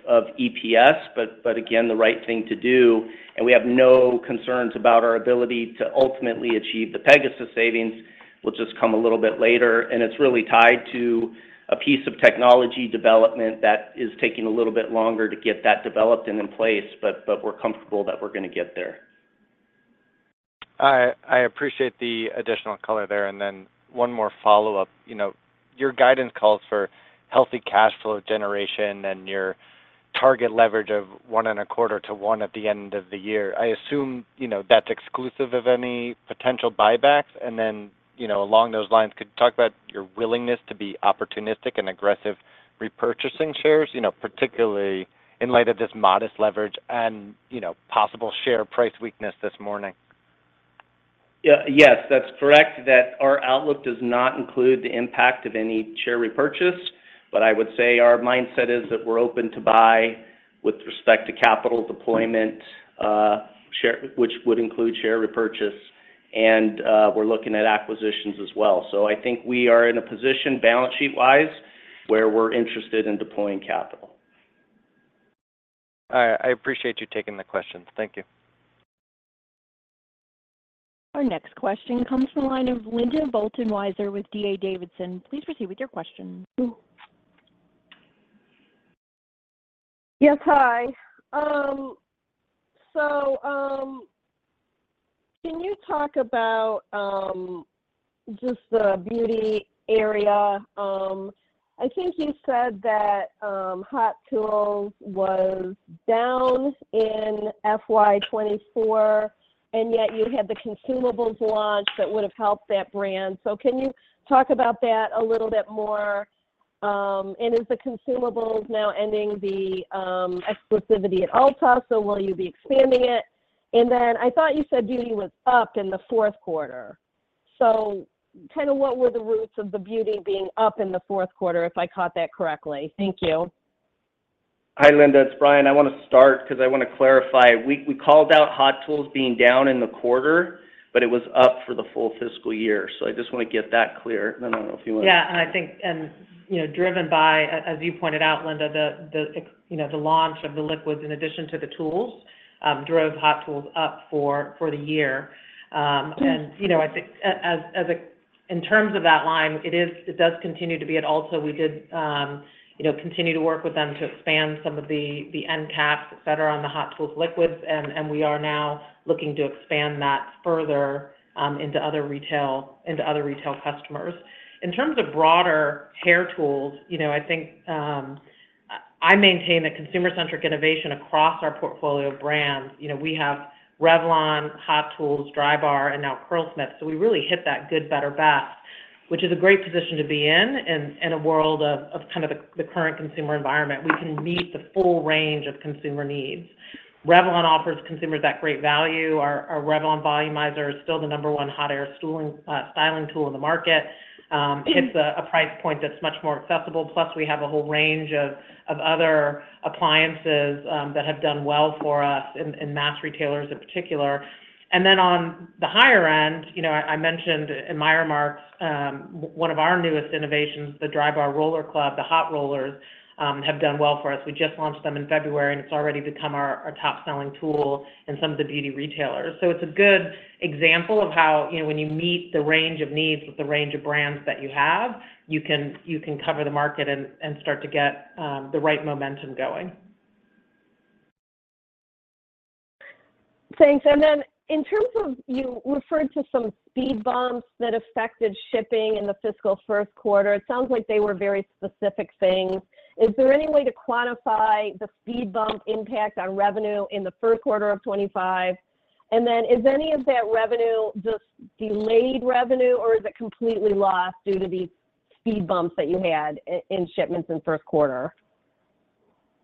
of EPS, but again, the right thing to do. We have no concerns about our ability to ultimately achieve the Pegasus savings. We'll just come a little bit later. It's really tied to a piece of technology development that is taking a little bit longer to get that developed and in place, but we're comfortable that we're going to get there. I appreciate the additional color there. Then one more follow-up. Your guidance calls for healthy cash flow generation and your target leverage of 1.25-1 at the end of the year. I assume that's exclusive of any potential buybacks. Then along those lines, could you talk about your willingness to be opportunistic and aggressive repurchasing shares, particularly in light of this modest leverage and possible share price weakness this morning? Yes, that's correct, that our outlook does not include the impact of any share repurchase. I would say our mindset is that we're open to buy with respect to capital deployment, which would include share repurchase. We're looking at acquisitions as well. I think we are in a position, balance sheet-wise, where we're interested in deploying capital. All right. I appreciate you taking the questions. Thank you. Our next question comes from a line of Linda Bolton Weiser with D.A. Davidson. Please proceed with your question. Yes, hi. So can you talk about just the beauty area? I think you said that Hot Tools was down in FY 2024, and yet you had the consumables launch that would have helped that brand. So can you talk about that a little bit more? And is the consumables now ending the exclusivity at Ulta, so will you be expanding it? And then I thought you said beauty was up in the fourth quarter. So kind of what were the roots of the beauty being up in the fourth quarter, if I caught that correctly? Thank you. Hi, Linda. It's Brian. I want to start because I want to clarify. We called out Hot Tools being down in the quarter, but it was up for the full fiscal year. So I just want to get that clear. And I don't know if you want to. Yeah. And I think driven by, as you pointed out, Linda, the launch of the liquids in addition to the tools drove Hot Tools up for the year. And I think in terms of that line, it does continue to be at Ulta. We did continue to work with them to expand some of the end caps, etc., on the Hot Tools liquids. And we are now looking to expand that further into other retail customers. In terms of broader hair tools, I think I maintain a consumer-centric innovation across our portfolio of brands. We have Revlon, Hot Tools, Drybar, and now Curlsmith. So we really hit that good, better, best, which is a great position to be in in a world of kind of the current consumer environment. We can meet the full range of consumer needs. Revlon offers consumers that great value. Our Revlon Volumizer is still the number one hot air styling tool in the market. It's a price point that's much more accessible. Plus, we have a whole range of other appliances that have done well for us in mass retailers in particular. And then on the higher end, I mentioned in my remarks one of our newest innovations, the Drybar Roller Club. The hot rollers have done well for us. We just launched them in February, and it's already become our top-selling tool in some of the beauty retailers. So it's a good example of how when you meet the range of needs with the range of brands that you have, you can cover the market and start to get the right momentum going. Thanks. And then in terms of you referred to some speed bumps that affected shipping in the fiscal first quarter. It sounds like they were very specific things. Is there any way to quantify the speed bump impact on revenue in the first quarter of 2025? And then is any of that revenue just delayed revenue, or is it completely lost due to these speed bumps that you had in shipments in first quarter?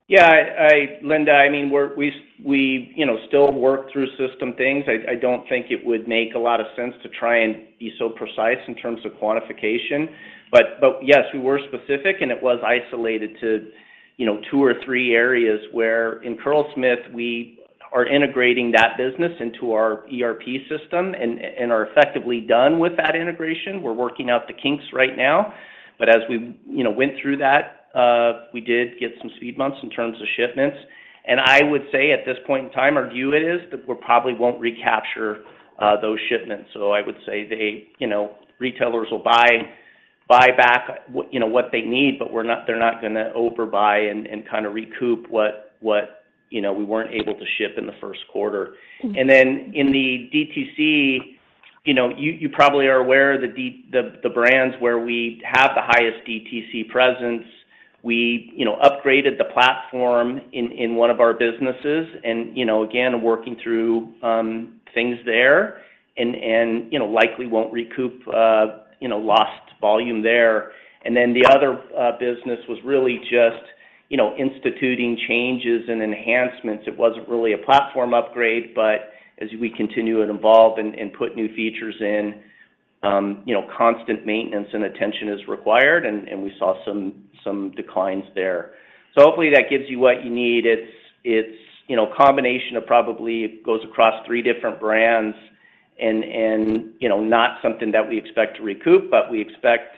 Yeah, Linda, I mean, we still work through system things. I don't think it would make a lot of sense to try and be so precise in terms of quantification. But yes, we were specific, and it was isolated to two or three areas where in Curlsmith, we are integrating that business into our ERP system and are effectively done with that integration. We're working out the kinks right now. But as we went through that, we did get some speed bumps in terms of shipments. And I would say at this point in time, our view is that we probably won't recapture those shipments. So I would say retailers will buy back what they need, but they're not going to overbuy and kind of recoup what we weren't able to ship in the first quarter. And then in the DTC, you probably are aware of the brands where we have the highest DTC presence. We upgraded the platform in one of our businesses and, again, working through things there and likely won't recoup lost volume there. And then the other business was really just instituting changes and enhancements. It wasn't really a platform upgrade, but as we continue to evolve and put new features in, constant maintenance and attention is required. And we saw some declines there. So hopefully, that gives you what you need. It's a combination of probably it goes across three different brands and not something that we expect to recoup, but we expect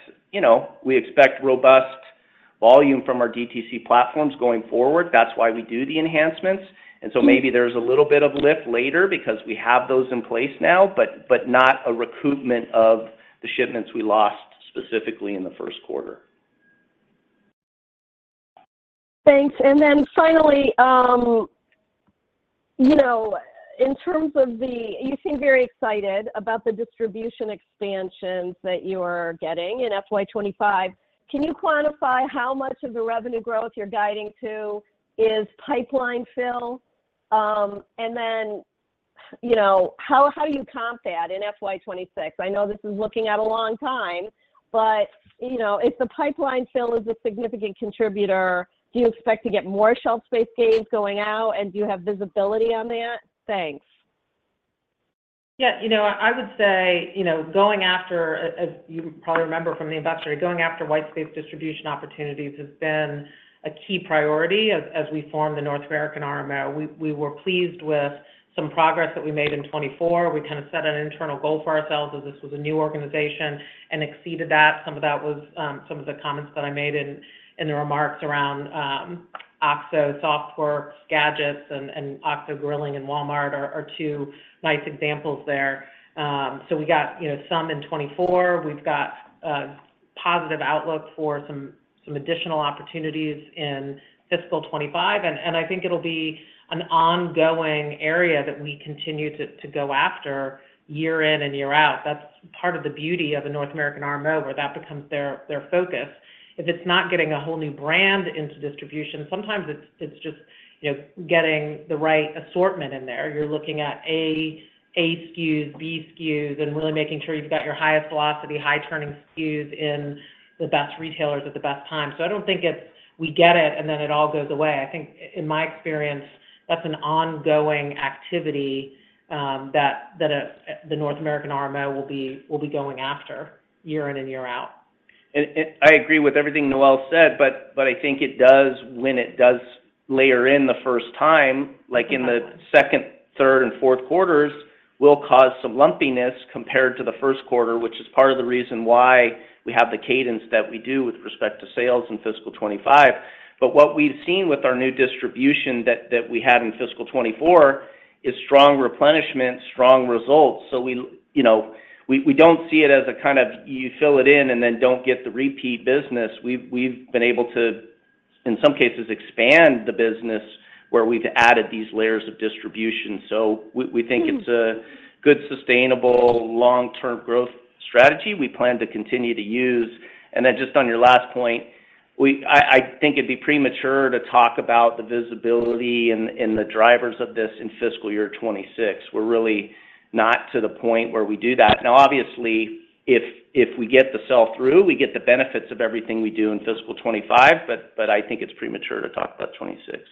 robust volume from our DTC platforms going forward. That's why we do the enhancements. And so maybe there's a little bit of lift later because we have those in place now, but not a recoupment of the shipments we lost specifically in the first quarter. Thanks. Then finally, in terms of, you seem very excited about the distribution expansions that you are getting in FY 2025. Can you quantify how much of the revenue growth you're guiding to is pipeline fill? And then how do you comp that in FY 2026? I know this is looking at a long time, but if the pipeline fill is a significant contributor, do you expect to get more shelf space gains going out, and do you have visibility on that? Thanks. Yeah. I would say going after—as you probably remember from the investor data—going after white space distribution opportunities has been a key priority as we formed the North American RMO. We were pleased with some progress that we made in 2024. We kind of set an internal goal for ourselves as this was a new organization and exceeded that. Some of that was some of the comments that I made in the remarks around OXO Softworks, Gadgets, and OXO Grilling, and Walmart are two nice examples there. So we got some in 2024. We've got a positive outlook for some additional opportunities in fiscal 2025. And I think it'll be an ongoing area that we continue to go after year in and year out. That's part of the beauty of the North American RMO, where that becomes their focus. If it's not getting a whole new brand into distribution, sometimes it's just getting the right assortment in there. You're looking at A SKUs, B SKUs, and really making sure you've got your highest velocity, high turning SKUs in the best retailers at the best time. So I don't think it's we get it, and then it all goes away. I think in my experience, that's an ongoing activity that the North American RMO will be going after year in and year out. And I agree with everything Noel said, but I think it does when it does layer in the first time, like in the second, third, and fourth quarters, will cause some lumpiness compared to the first quarter, which is part of the reason why we have the cadence that we do with respect to sales in fiscal 2025. But what we've seen with our new distribution that we had in fiscal 2024 is strong replenishment, strong results. So we don't see it as a kind of you fill it in and then don't get the repeat business. We've been able to, in some cases, expand the business where we've added these layers of distribution. So we think it's a good, sustainable, long-term growth strategy we plan to continue to use. Then just on your last point, I think it'd be premature to talk about the visibility and the drivers of this in fiscal year 2026. We're really not to the point where we do that. Now, obviously, if we get the sell through, we get the benefits of everything we do in fiscal 2025, but I think it's premature to talk about 2026.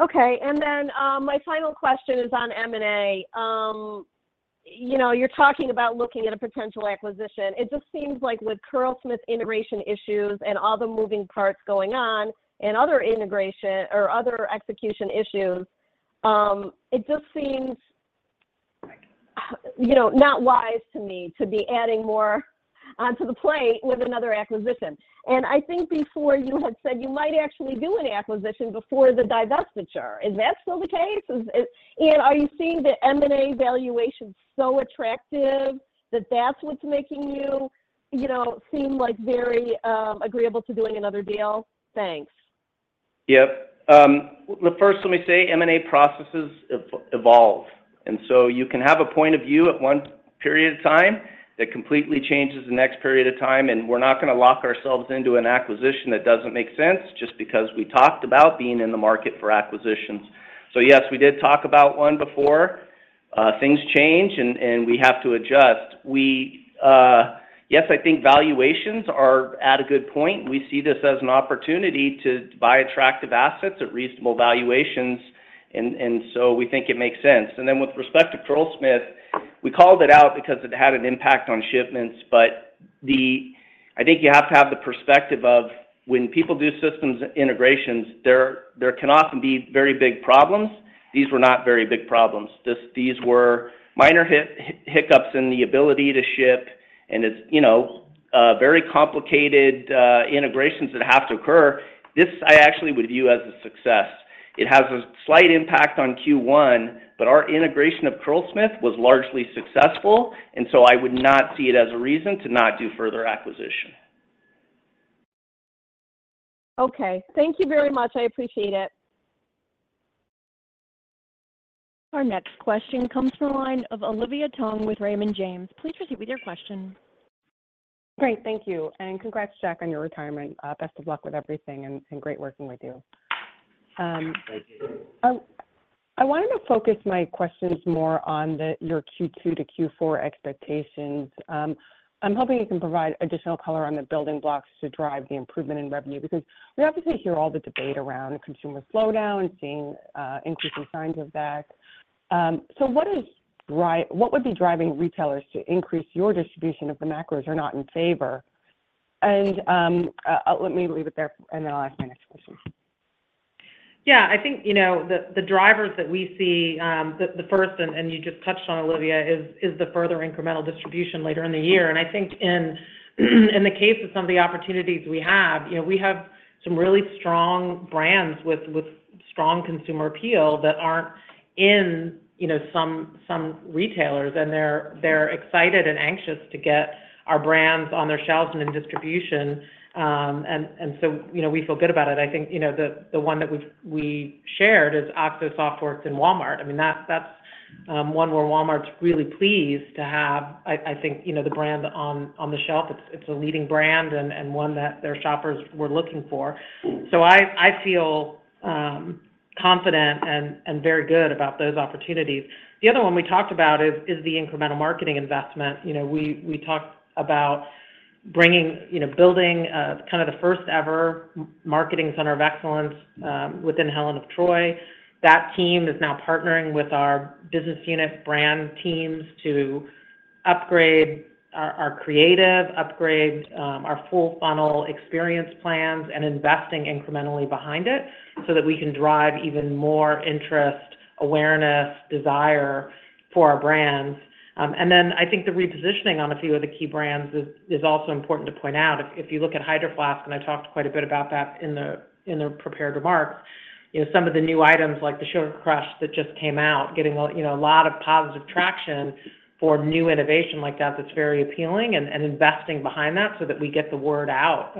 Okay. Then my final question is on M&A. You're talking about looking at a potential acquisition. It just seems like with Curlsmith integration issues and all the moving parts going on and other execution issues, it just seems not wise to me to be adding more onto the plate with another acquisition. And I think before you had said you might actually do an acquisition before the divestiture. Is that still the case? And are you seeing the M&A valuation so attractive that that's what's making you seem very agreeable to doing another deal? Thanks. Yep. First, let me say M&A processes evolve. So you can have a point of view at one period of time that completely changes the next period of time. We're not going to lock ourselves into an acquisition that doesn't make sense just because we talked about being in the market for acquisitions. So yes, we did talk about one before. Things change, and we have to adjust. Yes, I think valuations are at a good point. We see this as an opportunity to buy attractive assets at reasonable valuations. So we think it makes sense. Then with respect to Curlsmith, we called it out because it had an impact on shipments. But I think you have to have the perspective of when people do systems integrations, there can often be very big problems. These were not very big problems. These were minor hiccups in the ability to ship, and it's very complicated integrations that have to occur. This, I actually would view as a success. It has a slight impact on Q1, but our integration of Curlsmith was largely successful. And so I would not see it as a reason to not do further acquisition. Okay. Thank you very much. I appreciate it. Our next question comes from a line of Olivia Tong with Raymond James. Please proceed with your question. Great. Thank you. Congrats, Jack, on your retirement. Best of luck with everything, and great working with you. Thank you. I wanted to focus my questions more on your Q2 to Q4 expectations. I'm hoping you can provide additional color on the building blocks to drive the improvement in revenue because we obviously hear all the debate around consumer slowdown, seeing increasing signs of that. So what would be driving retailers to increase your distribution if the macros are not in favor? And let me leave it there, and then I'll ask my next question. Yeah. I think the drivers that we see, the first, and you just touched on Olivia, is the further incremental distribution later in the year. I think in the case of some of the opportunities we have, we have some really strong brands with strong consumer appeal that aren't in some retailers. They're excited and anxious to get our brands on their shelves and in distribution. So we feel good about it. I think the one that we shared is OXO Softworks and Walmart. I mean, that's one where Walmart's really pleased to have, I think, the brand on the shelf. It's a leading brand and one that their shoppers were looking for. So I feel confident and very good about those opportunities. The other one we talked about is the incremental marketing investment. We talked about building kind of the first-ever marketing center of excellence within Helen of Troy. That team is now partnering with our business unit brand teams to upgrade our creative, upgrade our full funnel experience plans, and investing incrementally behind it so that we can drive even more interest, awareness, desire for our brands. And then I think the repositioning on a few of the key brands is also important to point out. If you look at Hydro Flask, and I talked quite a bit about that in the prepared remarks, some of the new items like the Sugar Crush that just came out, getting a lot of positive traction for new innovation like that that's very appealing and investing behind that so that we get the word out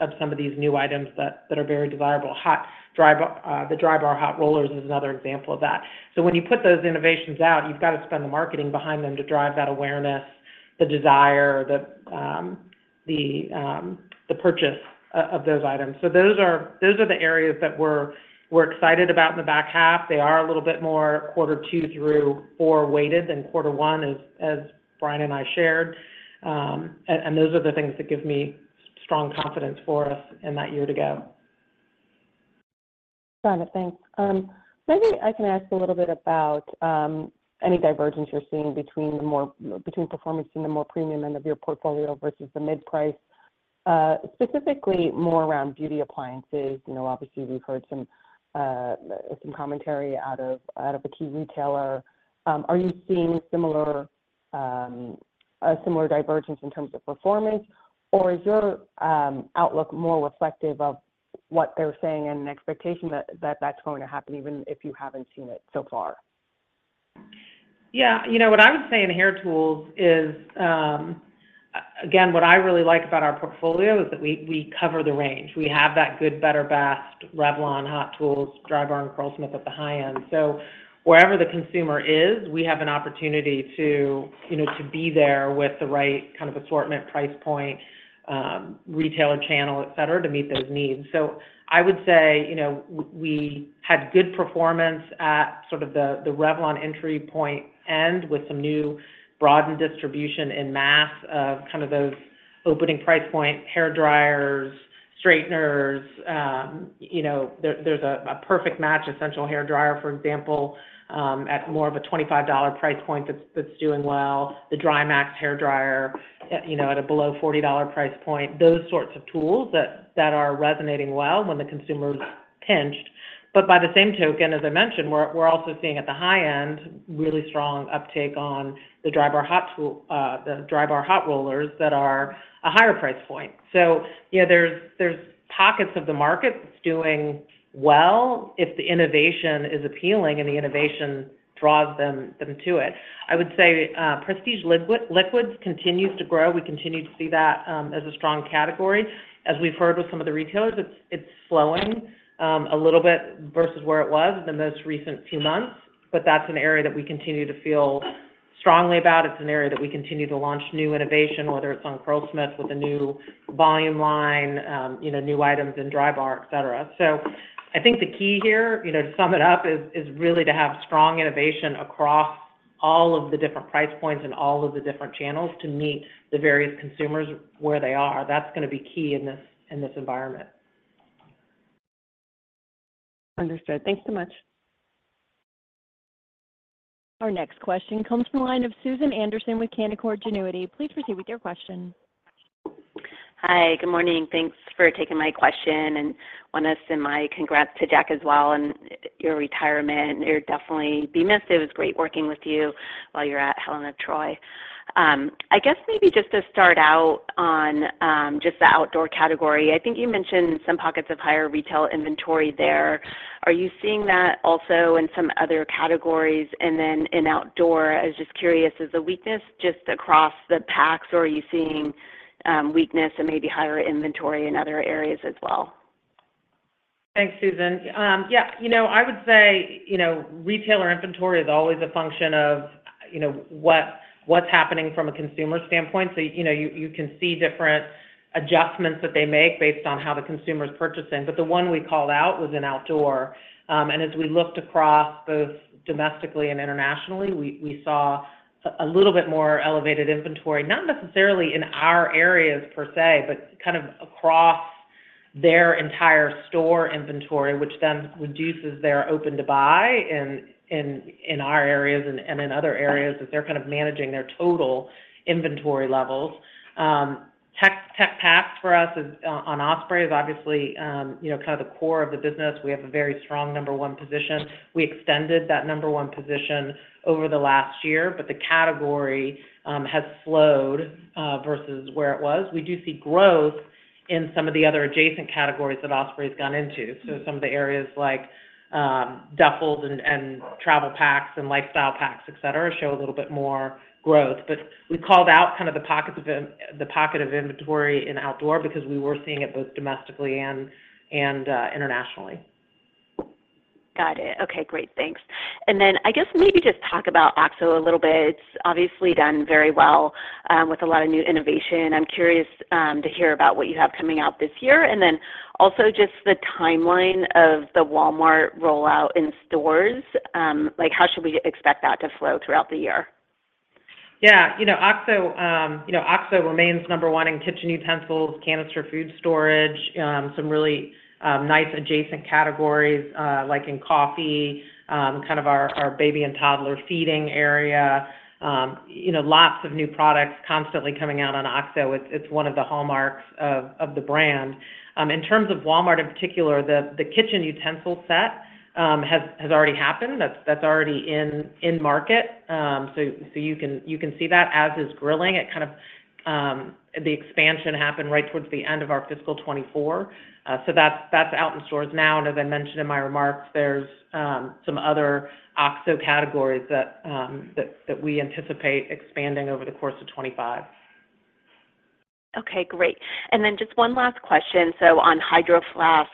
of some of these new items that are very desirable. The Drybar hot rollers is another example of that. So when you put those innovations out, you've got to spend the marketing behind them to drive that awareness, the desire, the purchase of those items. So those are the areas that we're excited about in the back half. They are a little bit more quarter two through four weighted than quarter one, as Brian and I shared. And those are the things that give me strong confidence for us in that year to go. Got it. Thanks. Maybe I can ask a little bit about any divergence you're seeing between performance in the more premium end of your portfolio versus the mid-price, specifically more around beauty appliances. Obviously, we've heard some commentary out of a key retailer. Are you seeing a similar divergence in terms of performance, or is your outlook more reflective of what they're saying and an expectation that that's going to happen even if you haven't seen it so far? Yeah. What I would say in Hair Tools is, again, what I really like about our portfolio is that we cover the range. We have that good, better, best Revlon, Hot Tools, Drybar, and Curlsmith at the high end. So wherever the consumer is, we have an opportunity to be there with the right kind of assortment, price point, retailer channel, etc., to meet those needs. So I would say we had good performance at sort of the Revlon entry point end with some new broadened distribution in mass of kind of those opening price point hair dryers, straighteners. There's a perfect match, Essential Hair Dryer, for example, at more of a $25 price point that's doing well. The DryMax hair dryer at a below $40 price point. Those sorts of tools that are resonating well when the consumer's pinched. But by the same token, as I mentioned, we're also seeing at the high end really strong uptake on the Drybar hot rollers that are a higher price point. So there's pockets of the market that's doing well if the innovation is appealing and the innovation draws them to it. I would say prestige liquids continues to grow. We continue to see that as a strong category. As we've heard with some of the retailers, it's slowing a little bit versus where it was in the most recent few months. But that's an area that we continue to feel strongly about. It's an area that we continue to launch new innovation, whether it's on Curlsmith with a new volume line, new items in Drybar, etc. I think the key here, to sum it up, is really to have strong innovation across all of the different price points and all of the different channels to meet the various consumers where they are. That's going to be key in this environment. Understood. Thanks so much. Our next question comes from a line of Susan Anderson with Canaccord Genuity. Please proceed with your question. Hi. Good morning. Thanks for taking my question and I want to send my congrats to Jack as well and on your retirement. You're definitely be missed. It was great working with you while you're at Helen of Troy. I guess maybe just to start out on just the outdoor category, I think you mentioned some pockets of higher retail inventory there. Are you seeing that also in some other categories and then in outdoor? I was just curious, is the weakness just across the packs, or are you seeing weakness and maybe higher inventory in other areas as well? Thanks, Susan. Yeah. I would say retailer inventory is always a function of what's happening from a consumer standpoint. So you can see different adjustments that they make based on how the consumer's purchasing. But the one we called out was in outdoor. And as we looked across both domestically and internationally, we saw a little bit more elevated inventory, not necessarily in our areas per se, but kind of across their entire store inventory, which then reduces their open to buy in our areas and in other areas as they're kind of managing their total inventory levels. Tech packs for us on Osprey is obviously kind of the core of the business. We have a very strong number one position. We extended that number one position over the last year, but the category has slowed versus where it was. We do see growth in some of the other adjacent categories that Osprey's gone into. So some of the areas like duffels and travel packs and lifestyle packs, etc., show a little bit more growth. But we called out kind of the pocket of inventory in outdoor because we were seeing it both domestically and internationally. Got it. Okay. Great. Thanks. And then I guess maybe just talk about OXO a little bit. It's obviously done very well with a lot of new innovation. I'm curious to hear about what you have coming out this year and then also just the timeline of the Walmart rollout in stores. How should we expect that to flow throughout the year? Yeah. OXO remains number one in kitchen utensils, canister food storage, some really nice adjacent categories like in coffee, kind of our baby and toddler feeding area. Lots of new products constantly coming out on OXO. It's one of the hallmarks of the brand. In terms of Walmart in particular, the kitchen utensil set has already happened. That's already in market. So you can see that as is grilling. The expansion happened right towards the end of our fiscal 2024. So that's out in stores now. And as I mentioned in my remarks, there's some other OXO categories that we anticipate expanding over the course of 2025. Okay. Great. And then just one last question. So on Hydro Flask,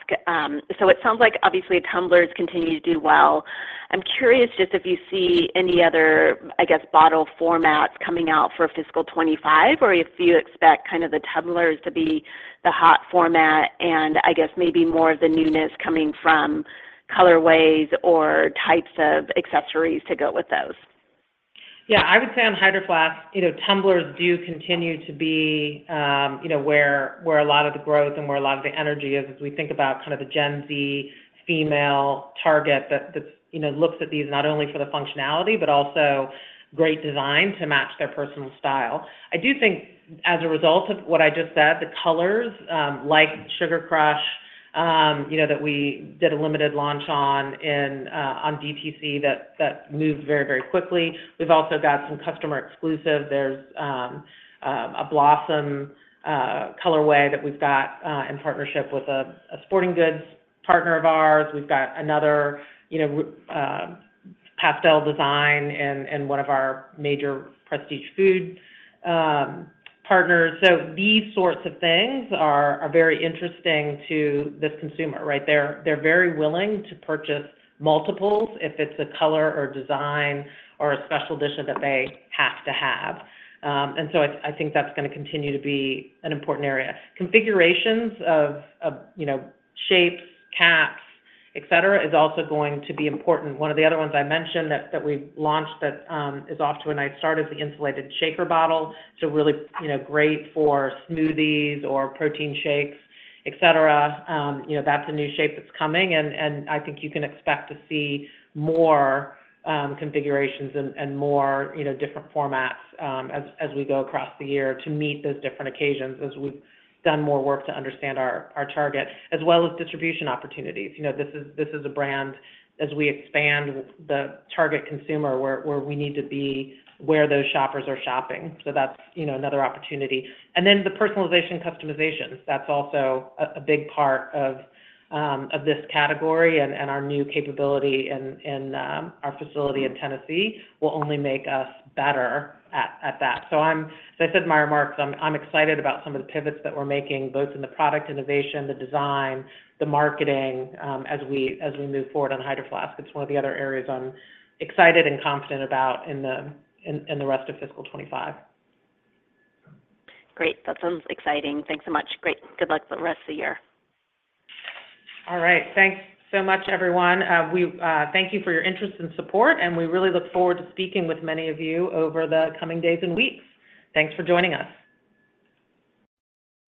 so it sounds like, obviously, tumblers continued to do well. I'm curious just if you see any other, I guess, bottle formats coming out for fiscal 2025 or if you expect kind of the tumblers to be the hot format and, I guess, maybe more of the newness coming from colorways or types of accessories to go with those. Yeah. I would say on Hydro Flask, tumblers do continue to be where a lot of the growth and where a lot of the energy is as we think about kind of the Gen Z female target that looks at these not only for the functionality but also great design to match their personal style. I do think as a result of what I just said, the colors, like Sugar Crush that we did a limited launch on DTC that moved very, very quickly. We've also got some customer exclusive. There's a Blossom colorway that we've got in partnership with a sporting goods partner of ours. We've got another pastel design in one of our major prestige food partners. So these sorts of things are very interesting to this consumer, right? They're very willing to purchase multiples if it's a color or design or a special edition that they have to have. And so I think that's going to continue to be an important area. Configurations of shapes, caps, etc., is also going to be important. One of the other ones I mentioned that we've launched that is off to a nice start is the insulated shaker bottle. It's really great for smoothies or protein shakes, etc. That's a new shape that's coming. And I think you can expect to see more configurations and more different formats as we go across the year to meet those different occasions as we've done more work to understand our target, as well as distribution opportunities. This is a brand, as we expand, the target consumer where we need to be where those shoppers are shopping. So that's another opportunity. And then the personalization customizations, that's also a big part of this category. Our new capability in our facility in Tennessee will only make us better at that. As I said in my remarks, I'm excited about some of the pivots that we're making both in the product innovation, the design, the marketing as we move forward on Hydro Flask. It's one of the other areas I'm excited and confident about in the rest of fiscal 2025. Great. That sounds exciting. Thanks so much. Great. Good luck for the rest of the year. All right. Thanks so much, everyone. Thank you for your interest and support. We really look forward to speaking with many of you over the coming days and weeks. Thanks for joining us.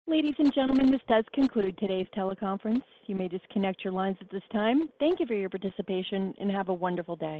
Ladies and gentlemen, this does conclude today's teleconference. You may disconnect your lines at this time. Thank you for your participation, and have a wonderful day.